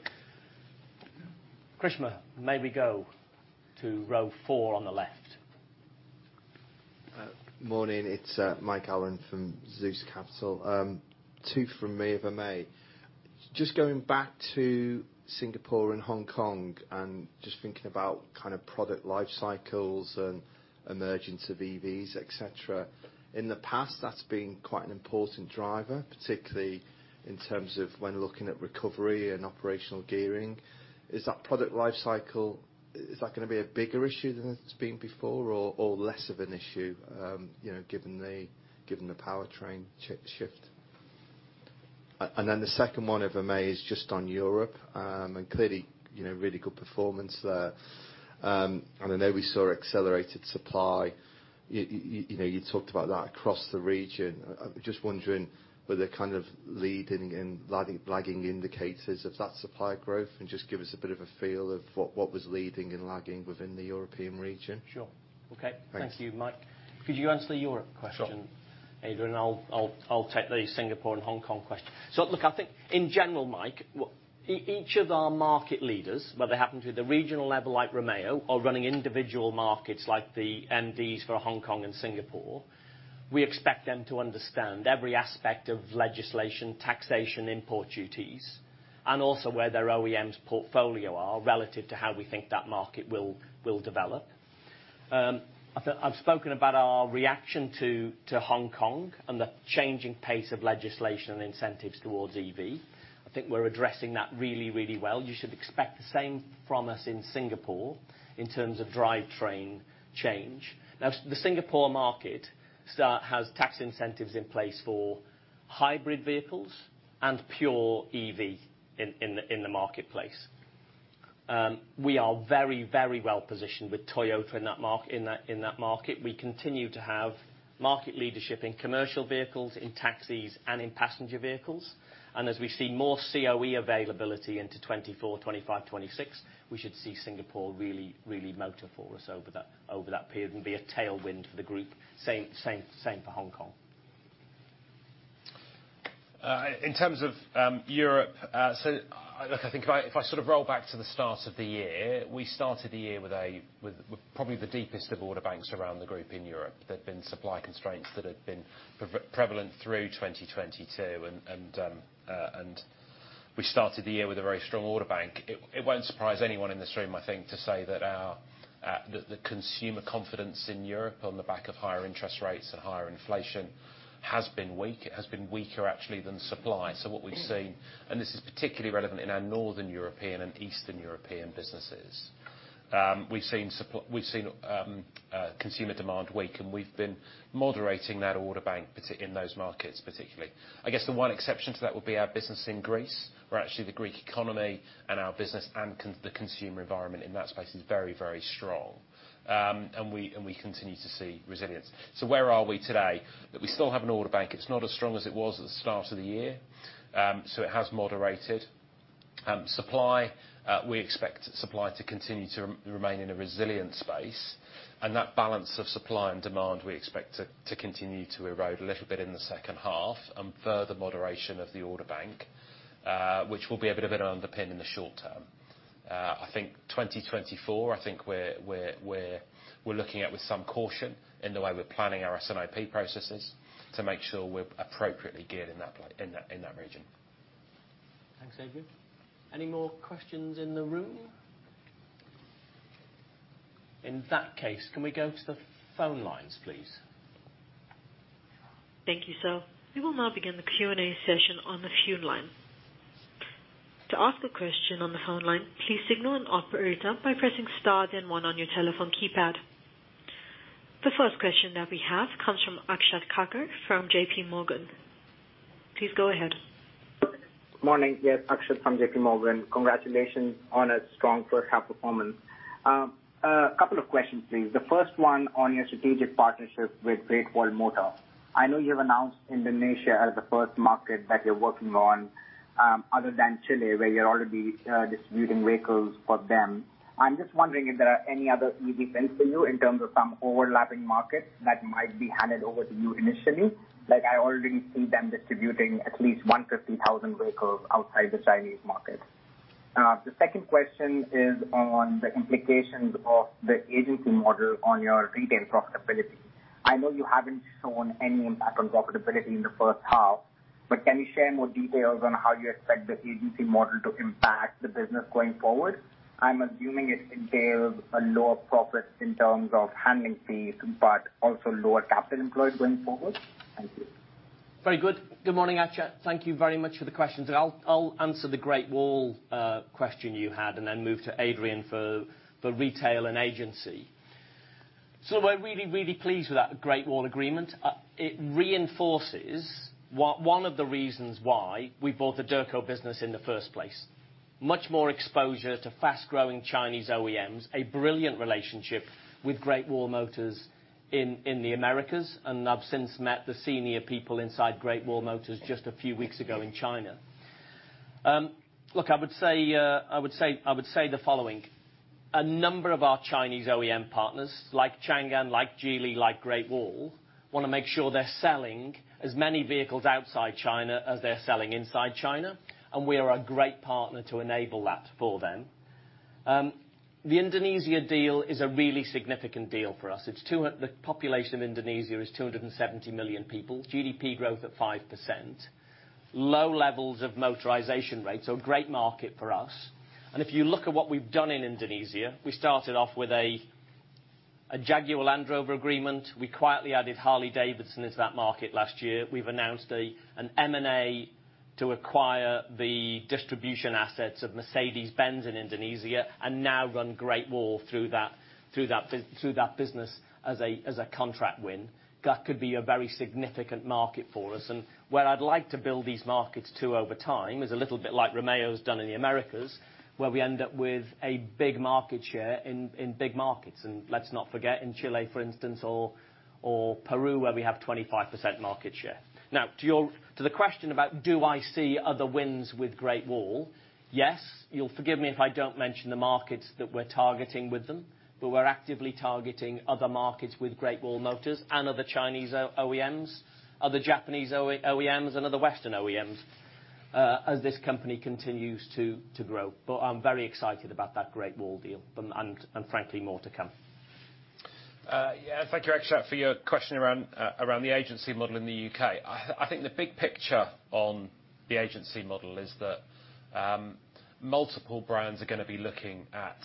Speaker 1: Krishna, may we go to row four on the left?
Speaker 7: Morning, it's Mike Allen from Zeus Capital. Two from me, if I may. Going back to Singapore and Hong Kong, and just thinking about kind of product life cycles and emergence of EVs, et cetera. In the past, that's been quite an important driver, particularly in terms of when looking at recovery and operational gearing. Is that product life cycle, is that gonna be a bigger issue than it's been before, or less of an issue? You know, given the powertrain shift. Then the second one, if I may, is just on Europe. Clearly, you know, really good performance there. I know we saw accelerated supply. You know, you talked about that across the region. I was just wondering were there kind of lead and lagging indicators of that supply growth? Just give us a bit of a feel of what was leading and lagging within the European region.
Speaker 1: Sure. Okay.
Speaker 7: Thanks.
Speaker 1: Thank you, Mike. Could you answer the Europe question.
Speaker 2: Sure.
Speaker 1: Adrian, I'll take the Singapore and Hong Kong question. Look, I think in general, Mike, each of our market leaders, whether they happen to be at the regional level, like Romeo, or running individual markets, like the MDs for Hong Kong and Singapore, we expect them to understand every aspect of legislation, taxation, import duties, and also where their OEMs portfolio are, relative to how we think that market will develop. I've spoken about our reaction to Hong Kong and the changing pace of legislation and incentives towards EV. I think we're addressing that really well. You should expect the same from us in Singapore in terms of drivetrain change. The Singapore market has tax incentives in place for hybrid vehicles and pure EV in the marketplace. We are very, very well positioned with Toyota in that market. We continue to have market leadership in commercial vehicles, in taxis, and in passenger vehicles, and as we see more COE availability into 2024, 2025, 2026, we should see Singapore really, really motor for us over that, over that period, and be a tailwind for the group. Same for Hong Kong.
Speaker 2: In terms of Europe, I think if I sort of roll back to the start of the year, we started the year with probably the deepest of order banks around the group in Europe. There'd been supply constraints that had been prevalent through 2022, and we started the year with a very strong order bank. It won't surprise anyone in this room, I think, to say that the consumer confidence in Europe on the back of higher interest rates and higher inflation has been weak. It has been weaker, actually, than supply. What we've seen, and this is particularly relevant in our Northern European and Eastern European businesses, we've seen consumer demand weaken. We've been moderating that order bank, particularly in those markets, particularly. I guess the one exception to that would be our business in Greece, where actually the Greek economy and our business and the consumer environment in that space is very, very strong. We continue to see resilience. Where are we today? That we still have an order bank. It's not as strong as it was at the start of the year, so it has moderated. Supply, we expect supply to continue to remain in a resilient space, and that balance of supply and demand, we expect to continue to erode a little bit in the H2, and further moderation of the order bank, which will be a bit of an underpin in the short term. I think 2024, I think we're looking at with some caution in the way we're planning our S&OP processes, to make sure we're appropriately geared in that region.
Speaker 1: Thanks, Adrian. Any more questions in the room? In that case, can we go to the phone lines, please?
Speaker 8: Thank you, sir. We will now begin the Q&A session on the phone line. To ask a question on the phone line, please signal an operator by pressing star then one on your telephone keypad. The first question that we have comes from Akshat Kacker from JPMorgan. Please go ahead.
Speaker 9: Morning. Yes, Akshat from JPMorgan. Congratulations on a strong H1 performance. A couple of questions, please. The first one on your strategic partnership with Great Wall Motor. I know you have announced Indonesia as the first market that you're working on, other than Chile, where you're already distributing vehicles for them. I'm just wondering if there are any other easy wins for you in terms of some overlapping markets that might be handed over to you initially. Like, I already see them distributing at least 150,000 vehicles outside the Chinese market. The second question is on the implications of the agency model on your retail profitability. I know you haven't shown any impact on profitability in the H1, but can you share more details on how you expect the agency model to impact the business going forward? I'm assuming it entails a lower profit in terms of handling fees, but also lower capital employed going forward. Thank you.
Speaker 1: Very good. Good morning, Akshat. Thank you very much for the questions. I'll answer the Great Wall question you had, and then move to Adrian for retail and agency. We're really, really pleased with that Great Wall agreement. It reinforces one of the reasons why we bought the Derco business in the first place. Much more exposure to fast-growing Chinese OEMs, a brilliant relationship with Great Wall Motor in the Americas, I've since met the senior people inside Great Wall Motor just a few weeks ago in China. Look, I would say the following: A number of our Chinese OEM partners, like Changan, like Geely, like Great Wall, wanna make sure they're selling as many vehicles outside China as they're selling inside China, and we are a great partner to enable that for them. The Indonesia deal is a really significant deal for us. The population of Indonesia is 270 million people, GDP growth at 5%, low levels of motorization rates, so a great market for us. If you look at what we've done in Indonesia, we started off with a Jaguar Land Rover agreement. We quietly added Harley-Davidson into that market last year. We've announced an M&A to acquire the distribution assets of Mercedes-Benz in Indonesia, and now run Great Wall through that business as a contract win. That could be a very significant market for us. Where I'd like to build these markets to over time, is a little bit like Romeo has done in the Americas, where we end up with a big market share in big markets. Let's not forget, in Chile, for instance, or Peru, where we have 25% market share. To the question about do I see other wins with Great Wall, yes. You'll forgive me if I don't mention the markets that we're targeting with them. We're actively targeting other markets with Great Wall Motor and other Chinese OEMs, other Japanese OEMs, and other Western OEMs, as this company continues to grow. I'm very excited about that Great Wall deal, and frankly, more to come.
Speaker 2: Thank you, Akshat, for your question around the agency model in the U.K. I think the big picture on the agency model is that multiple brands are gonna be looking at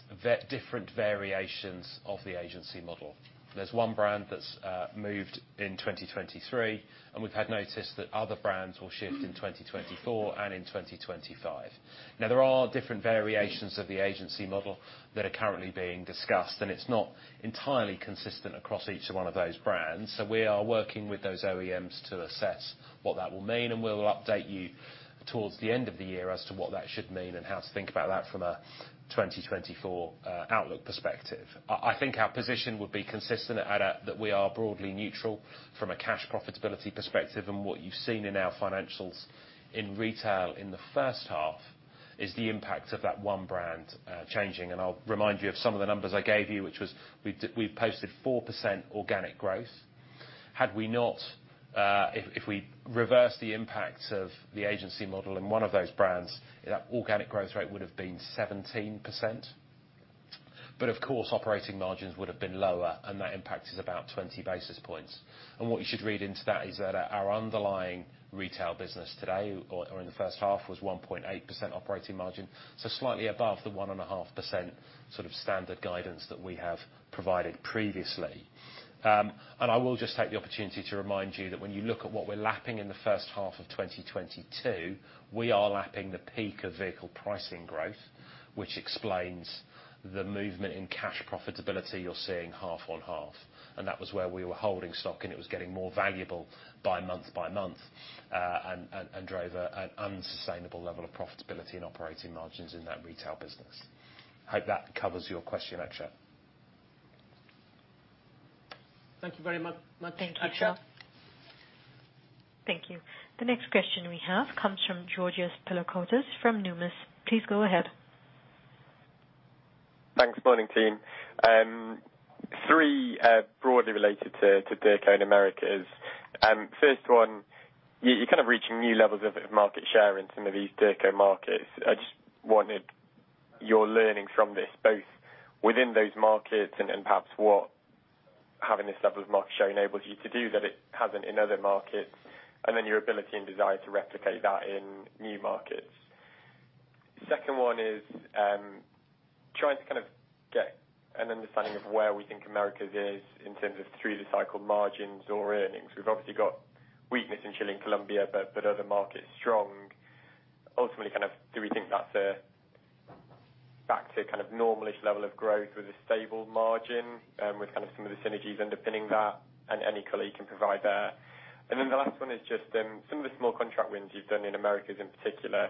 Speaker 2: different variations of the agency model. There's one brand that's moved in 2023, and we've had notice that other brands will shift in 2024 and in 2025. There are different variations of the agency model that are currently being discussed, and it's not entirely consistent across each one of those brands. We are working with those OEMs to assess what that will mean, and we'll update you towards the end of the year as to what that should mean and how to think about that from a 2024 outlook perspective. I think our position would be consistent at that we are broadly neutral from a cash profitability perspective, and what you've seen in our financials in retail in the H1 is the impact of that one brand, changing. I'll remind you of some of the numbers I gave you, which was we've posted 4% organic growth. Had we not. If we reverse the impact of the agency model in one of those brands, that organic growth rate would have been 17%. Of course, operating margins would have been lower, and that impact is about 20 basis points. What you should read into that is that our underlying retail business today, or in the H1, was 1.8% operating margin, so slightly above the 1.5% sort of standard guidance that we have provided previously. I will just take the opportunity to remind you that when you look at what we're lapping in the H1 of 2022, we are lapping the peak of vehicle pricing growth, which explains the movement in cash profitability you're seeing half on half. That was where we were holding stock, and it was getting more valuable by month by month, and drove an unsustainable level of profitability and operating margins in that retail business. Hope that covers your question, Akshat.
Speaker 1: Thank you very much, Akshat.
Speaker 8: Thank you. Thank you. The next question we have comes from Georgios Pilakoutas from Numis. Please go ahead.
Speaker 10: Thanks. Morning, team. three broadly related to Derco in Americas. First one, you're kind of reaching new levels of market share in some of these Derco markets. I just wanted your learning from this, both within those markets and perhaps what having this level of market share enables you to do that it hasn't in other markets, and then your ability and desire to replicate that in new markets. Second one is trying to kind of get an understanding of where we think Americas is in terms of through the cycle margins or earnings. We've obviously got weakness in Chile and Colombia, other markets strong. Kind of do we think that's a back to kind of normal-ish level of growth with a stable margin, with kind of some of the synergies underpinning that? Any color you can provide there. Then the last one is just, some of the small contract wins you've done in Americas in particular,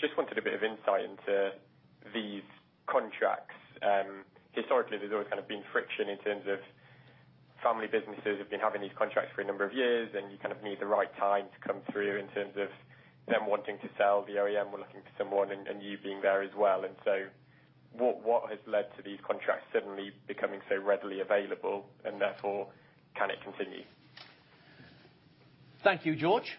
Speaker 10: just wanted a bit of insight into these contracts. Historically, there's always kind of been friction in terms of family businesses have been having these contracts for a number of years, and you kind of need the right time to come through in terms of them wanting to sell, the OEM were looking for someone, and you being there as well. What has led to these contracts suddenly becoming so readily available? Therefore, can it continue?
Speaker 1: Thank you, George.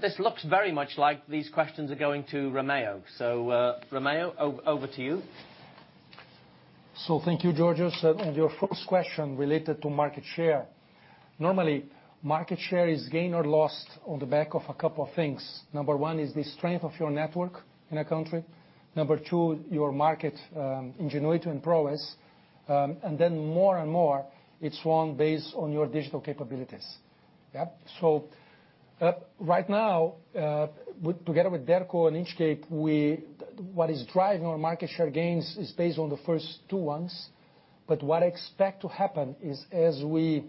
Speaker 1: This looks very much like these questions are going to Romeo. Romeo, over to you.
Speaker 3: Thank you, Georgios. Your first question related to market share. Normally, market share is gained or lost on the back of a couple of things. Number one is the strength of your network in a country. Number two, your market ingenuity and prowess. More and more, it's one based on your digital capabilities. Yeah. Right now, together with Derco and Inchcape, what is driving our market share gains is based on the first two ones, but what I expect to happen is, as we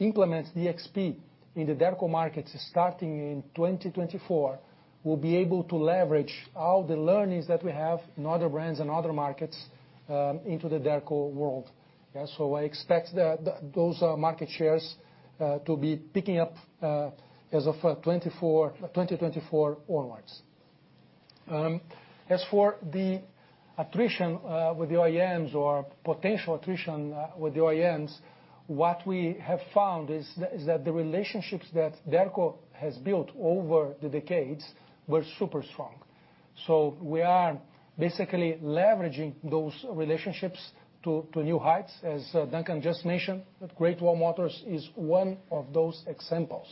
Speaker 3: implement DXP in the Derco markets starting in 2024, we'll be able to leverage all the learnings that we have in other brands and other markets into the Derco world. I expect the, those market shares to be picking up as of 2024 onwards. As for the attrition with the OEMs or potential attrition with the OEMs, what we have found is that the relationships that Derco has built over the decades were super strong. We are basically leveraging those relationships to new heights, as Duncan just mentioned, that Great Wall Motor is one of those examples.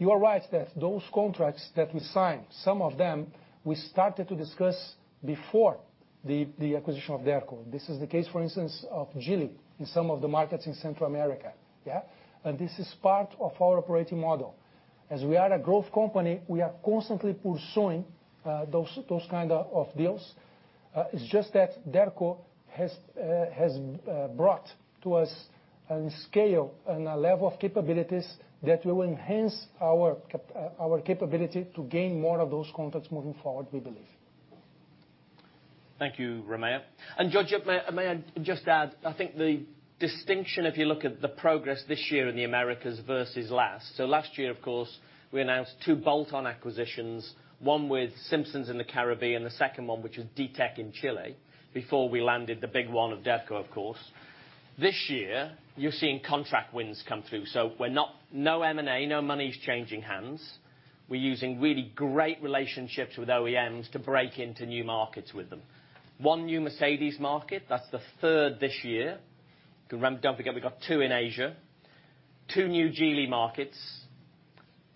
Speaker 3: You are right that those contracts that we signed, some of them we started to discuss before the acquisition of Derco. This is the case, for instance, of Geely in some of the markets in Central America, yeah? This is part of our operating model. As we are a growth company, we are constantly pursuing those kind of deals. It's just that Derco has brought to us a scale and a level of capabilities that will enhance our capability to gain more of those contracts moving forward, we believe.
Speaker 1: Thank you, Romeo. George, may I just add, I think the distinction, if you look at the progress this year in the Americas versus last year, of course, we announced two bolt-on acquisitions, one with Simpsons in the Caribbean, and the second one, which was Ditec in Chile, before we landed the big one of Derco, of course. This year, you're seeing contract wins come through. We're not... No M&A, no money's changing hands. We're using really great relationships with OEMs to break into new markets with them. One new Mercedes market, that's the third this year. Don't forget, we got two in Asia, two new Geely markets,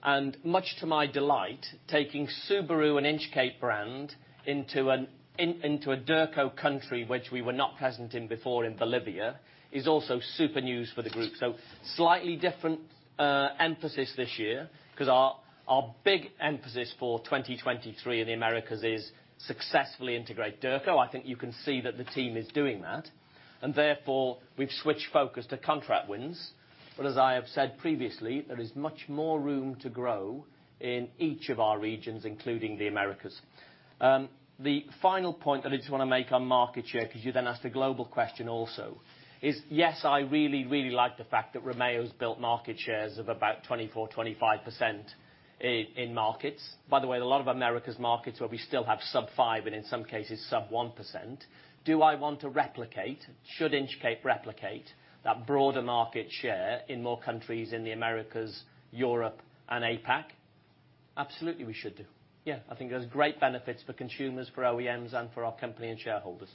Speaker 1: and much to my delight, taking Subaru and Inchcape brand into a Derco country, which we were not present in before in Bolivia, is also super news for the group. Slightly different emphasis this year, because our big emphasis for 2023 in the Americas is successfully integrate Derco. I think you can see that the team is doing that. Therefore, we've switched focus to contract wins. As I have said previously, there is much more room to grow in each of our regions, including the Americas. The final point that I just want to make on market share, because you then asked a global question also, is, yes, I really, really like the fact that Romeo's built market shares of about 24% to 25% in markets. By the way, a lot of Americas markets where we still have sub 5%, and in some cases, sub 1%. Do I want to replicate? Should Inchcape replicate that broader market share in more countries in the Americas, Europe, and APAC? Absolutely, we should do. Yeah, I think there's great benefits for consumers, for OEMs, and for our company and shareholders,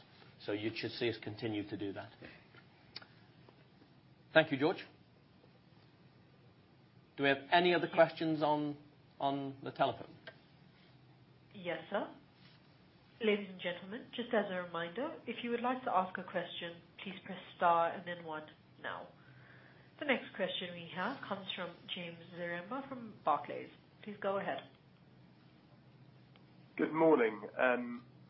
Speaker 1: so you should see us continue to do that. Thank you, George. Do we have any other questions on the telephone?
Speaker 8: Yes, sir. Ladies and gentlemen, just as a reminder, if you would like to ask a question, please press star and then one now. The next question we have comes from James Zaremba from Barclays. Please go ahead.
Speaker 11: Good morning. A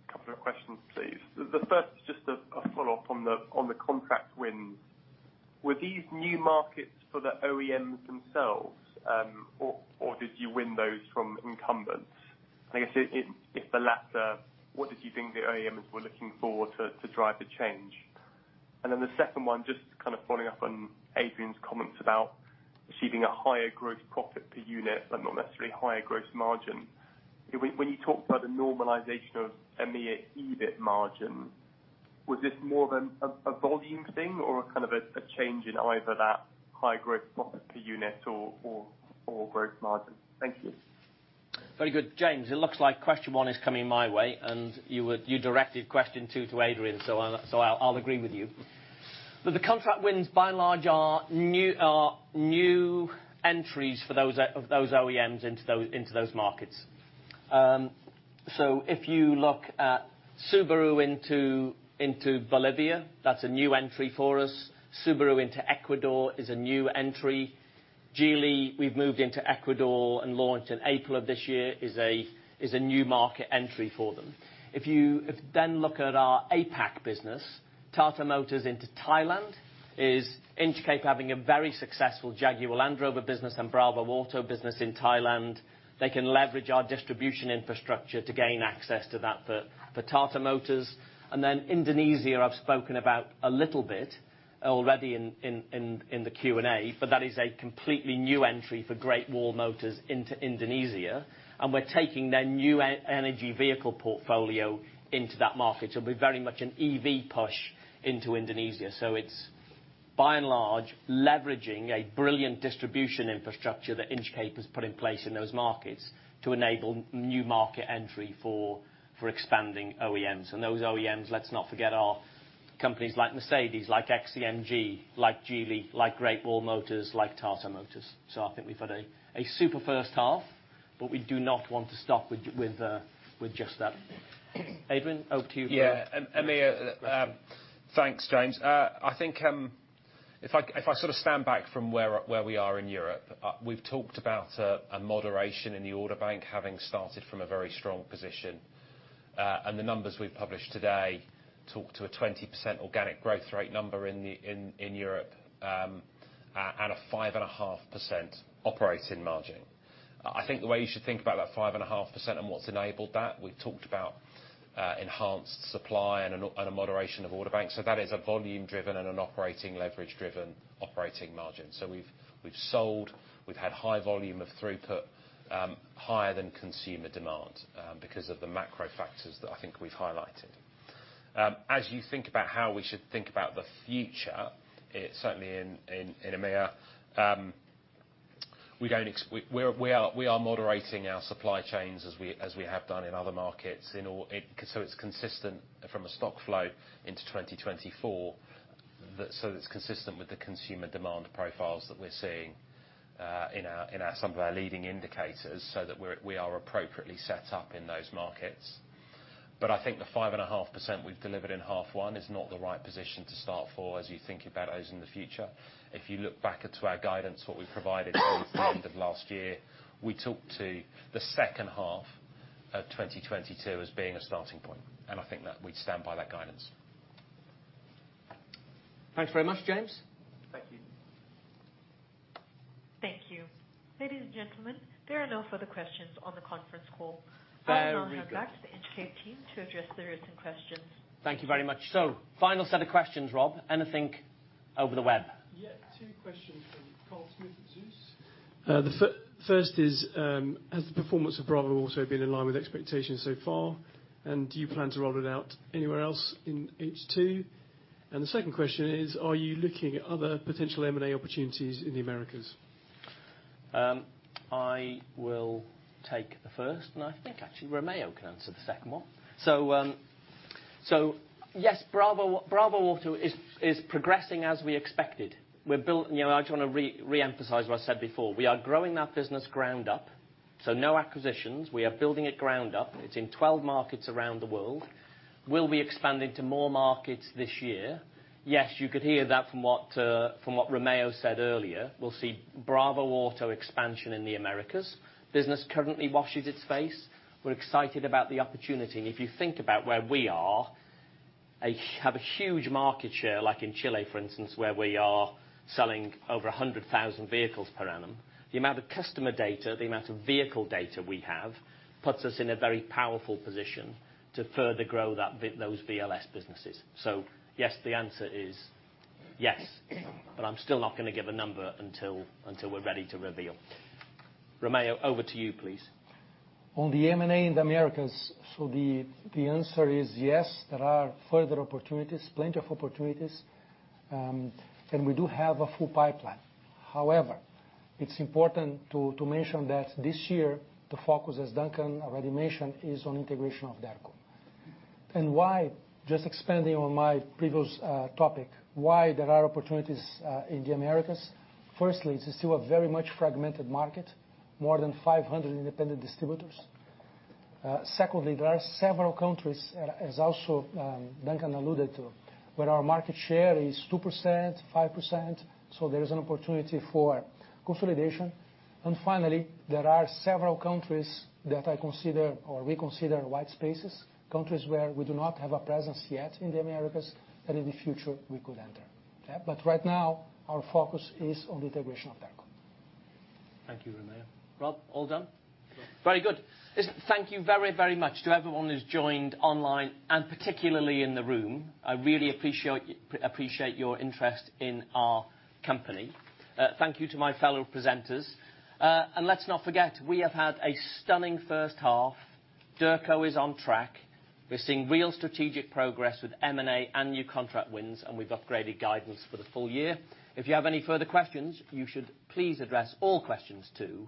Speaker 11: couple of questions, please. The first is just a follow-up on the contract wins. Were these new markets for the OEMs themselves, or did you win those from incumbents? I guess if the latter, what did you think the OEMs were looking for to drive the change? The second one, just kind of following up on Adrian's comments about achieving a higher growth profit per unit, but not necessarily higher growth margin. When you talked about the normalization of EMEA EBIT margin, was this more of a volume thing or kind of a change in either that high growth profit per unit or growth margin? Thank you.
Speaker 1: Very good. James, it looks like question one is coming my way, you directed question two to Adrian, I'll agree with you. The contract wins, by and large, are new entries for those OEMs into those markets. If you look at Subaru into Bolivia, that's a new entry for us. Subaru into Ecuador is a new entry. Geely, we've moved into Ecuador and launched in April of this year, is a new market entry for them. If you then look at our APAC business, Tata Motors into Thailand is Inchcape having a very successful Jaguar Land Rover business and bravoauto business in Thailand. They can leverage our distribution infrastructure to gain access to that for Tata Motors. Indonesia, I've spoken about a little bit already in the Q&A, but that is a completely new entry for Great Wall Motor into Indonesia, and we're taking their new energy vehicle portfolio into that market. It'll be very much an EV push into Indonesia. It's, by and large, leveraging a brilliant distribution infrastructure that Inchcape has put in place in those markets to enable new market entry for expanding OEMs. Those OEMs, let's not forget, are companies like Mercedes, like XCMG, like Geely, like Great Wall Motor, like Tata Motors. I think we've had a super H1, but we do not want to stop with just that. Adrian, over to you.
Speaker 3: Yeah, I mean, thanks, James. I think, if I sort of stand back from where we are in Europe, we've talked about a moderation in the order bank, having started from a very strong position. The numbers we've published today talk to a 20% organic growth rate number in Europe, and a 5.5% operating margin. I think the way you should think about that 5.5% and what's enabled that, we've talked about...
Speaker 2: enhanced supply and a moderation of order banks. That is a volume driven and an operating leverage driven operating margin. We've had high volume of throughput, higher than consumer demand, because of the macro factors that I think we've highlighted. As you think about how we should think about the future, it certainly in EMEA, we are moderating our supply chains as we have done in other markets, so it's consistent from a stock flow into 2024. That it's consistent with the consumer demand profiles that we're seeing, in our some of our leading indicators, so that we are appropriately set up in those markets. I think the 5.5% we've delivered in H1 is not the right position to start for, as you think about those in the future. If you look back into our guidance, what we provided at the end of last year, we talked to the H2 of 2022 as being a starting point, I think that we'd stand by that guidance.
Speaker 1: Thanks very much, James.
Speaker 2: Thank you.
Speaker 8: Thank you. Ladies and gentlemen, there are no further questions on the conference call.
Speaker 1: Very good.
Speaker 8: I will now hand back to the Inchcape team to address the recent questions.
Speaker 1: Thank you very much. Final set of questions, Rob. Anything over the web?
Speaker 12: Yeah, two questions from Carl Smith at Zeus. The first is: Has the performance of bravoauto also been in line with expectations so far, and do you plan to roll it out anywhere else in H2? The second question is: Are you looking at other potential M&A opportunities in the Americas?
Speaker 1: I will take the first, I think actually Romeo can answer the second one. Yes, bravoauto is progressing as we expected. You know, I just want to re-emphasize what I said before. We are growing that business ground up, no acquisitions. We are building it ground up. It's in 12 markets around the world. Will we expand into more markets this year? Yes, you could hear that from what Romeo said earlier. We'll see bravoauto expansion in the Americas. Business currently washes its face. We're excited about the opportunity, if you think about where we are, have a huge market share, like in Chile, for instance, where we are selling over 100,000 vehicles per annum. The amount of customer data, the amount of vehicle data we have, puts us in a very powerful position to further grow that, those VLS businesses. Yes, the answer is yes. I'm still not gonna give a number until we're ready to reveal. Romeo, over to you, please.
Speaker 3: On the M&A in the Americas, the answer is yes, there are further opportunities, plenty of opportunities. We do have a full pipeline. However, it's important to mention that this year, the focus, as Duncan already mentioned, is on integration of Derco. Why? Just expanding on my previous topic, why there are opportunities in the Americas. Firstly, it's still a very much fragmented market, more than 500 independent distributors. Secondly, there are several countries, as also Duncan alluded to, where our market share is 2%, 5%, so there is an opportunity for consolidation. Finally, there are several countries that I consider or we consider wide spaces, countries where we do not have a presence yet in the Americas, that in the future we could enter. Yeah, right now, our focus is on integration of Derco.
Speaker 1: Thank you, Romeo. Rob, all done?
Speaker 12: Sure.
Speaker 1: Very good. Listen, thank you very, very much to everyone who's joined online, and particularly in the room. I really appreciate your interest in our company. Thank you to my fellow presenters. Let's not forget, we have had a stunning H1. Derco is on track. We're seeing real strategic progress with M&A and new contract wins, and we've upgraded guidance for the full year. If you have any further questions, you should please address all questions to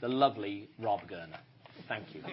Speaker 1: the lovely Rob Gurner. Thank you.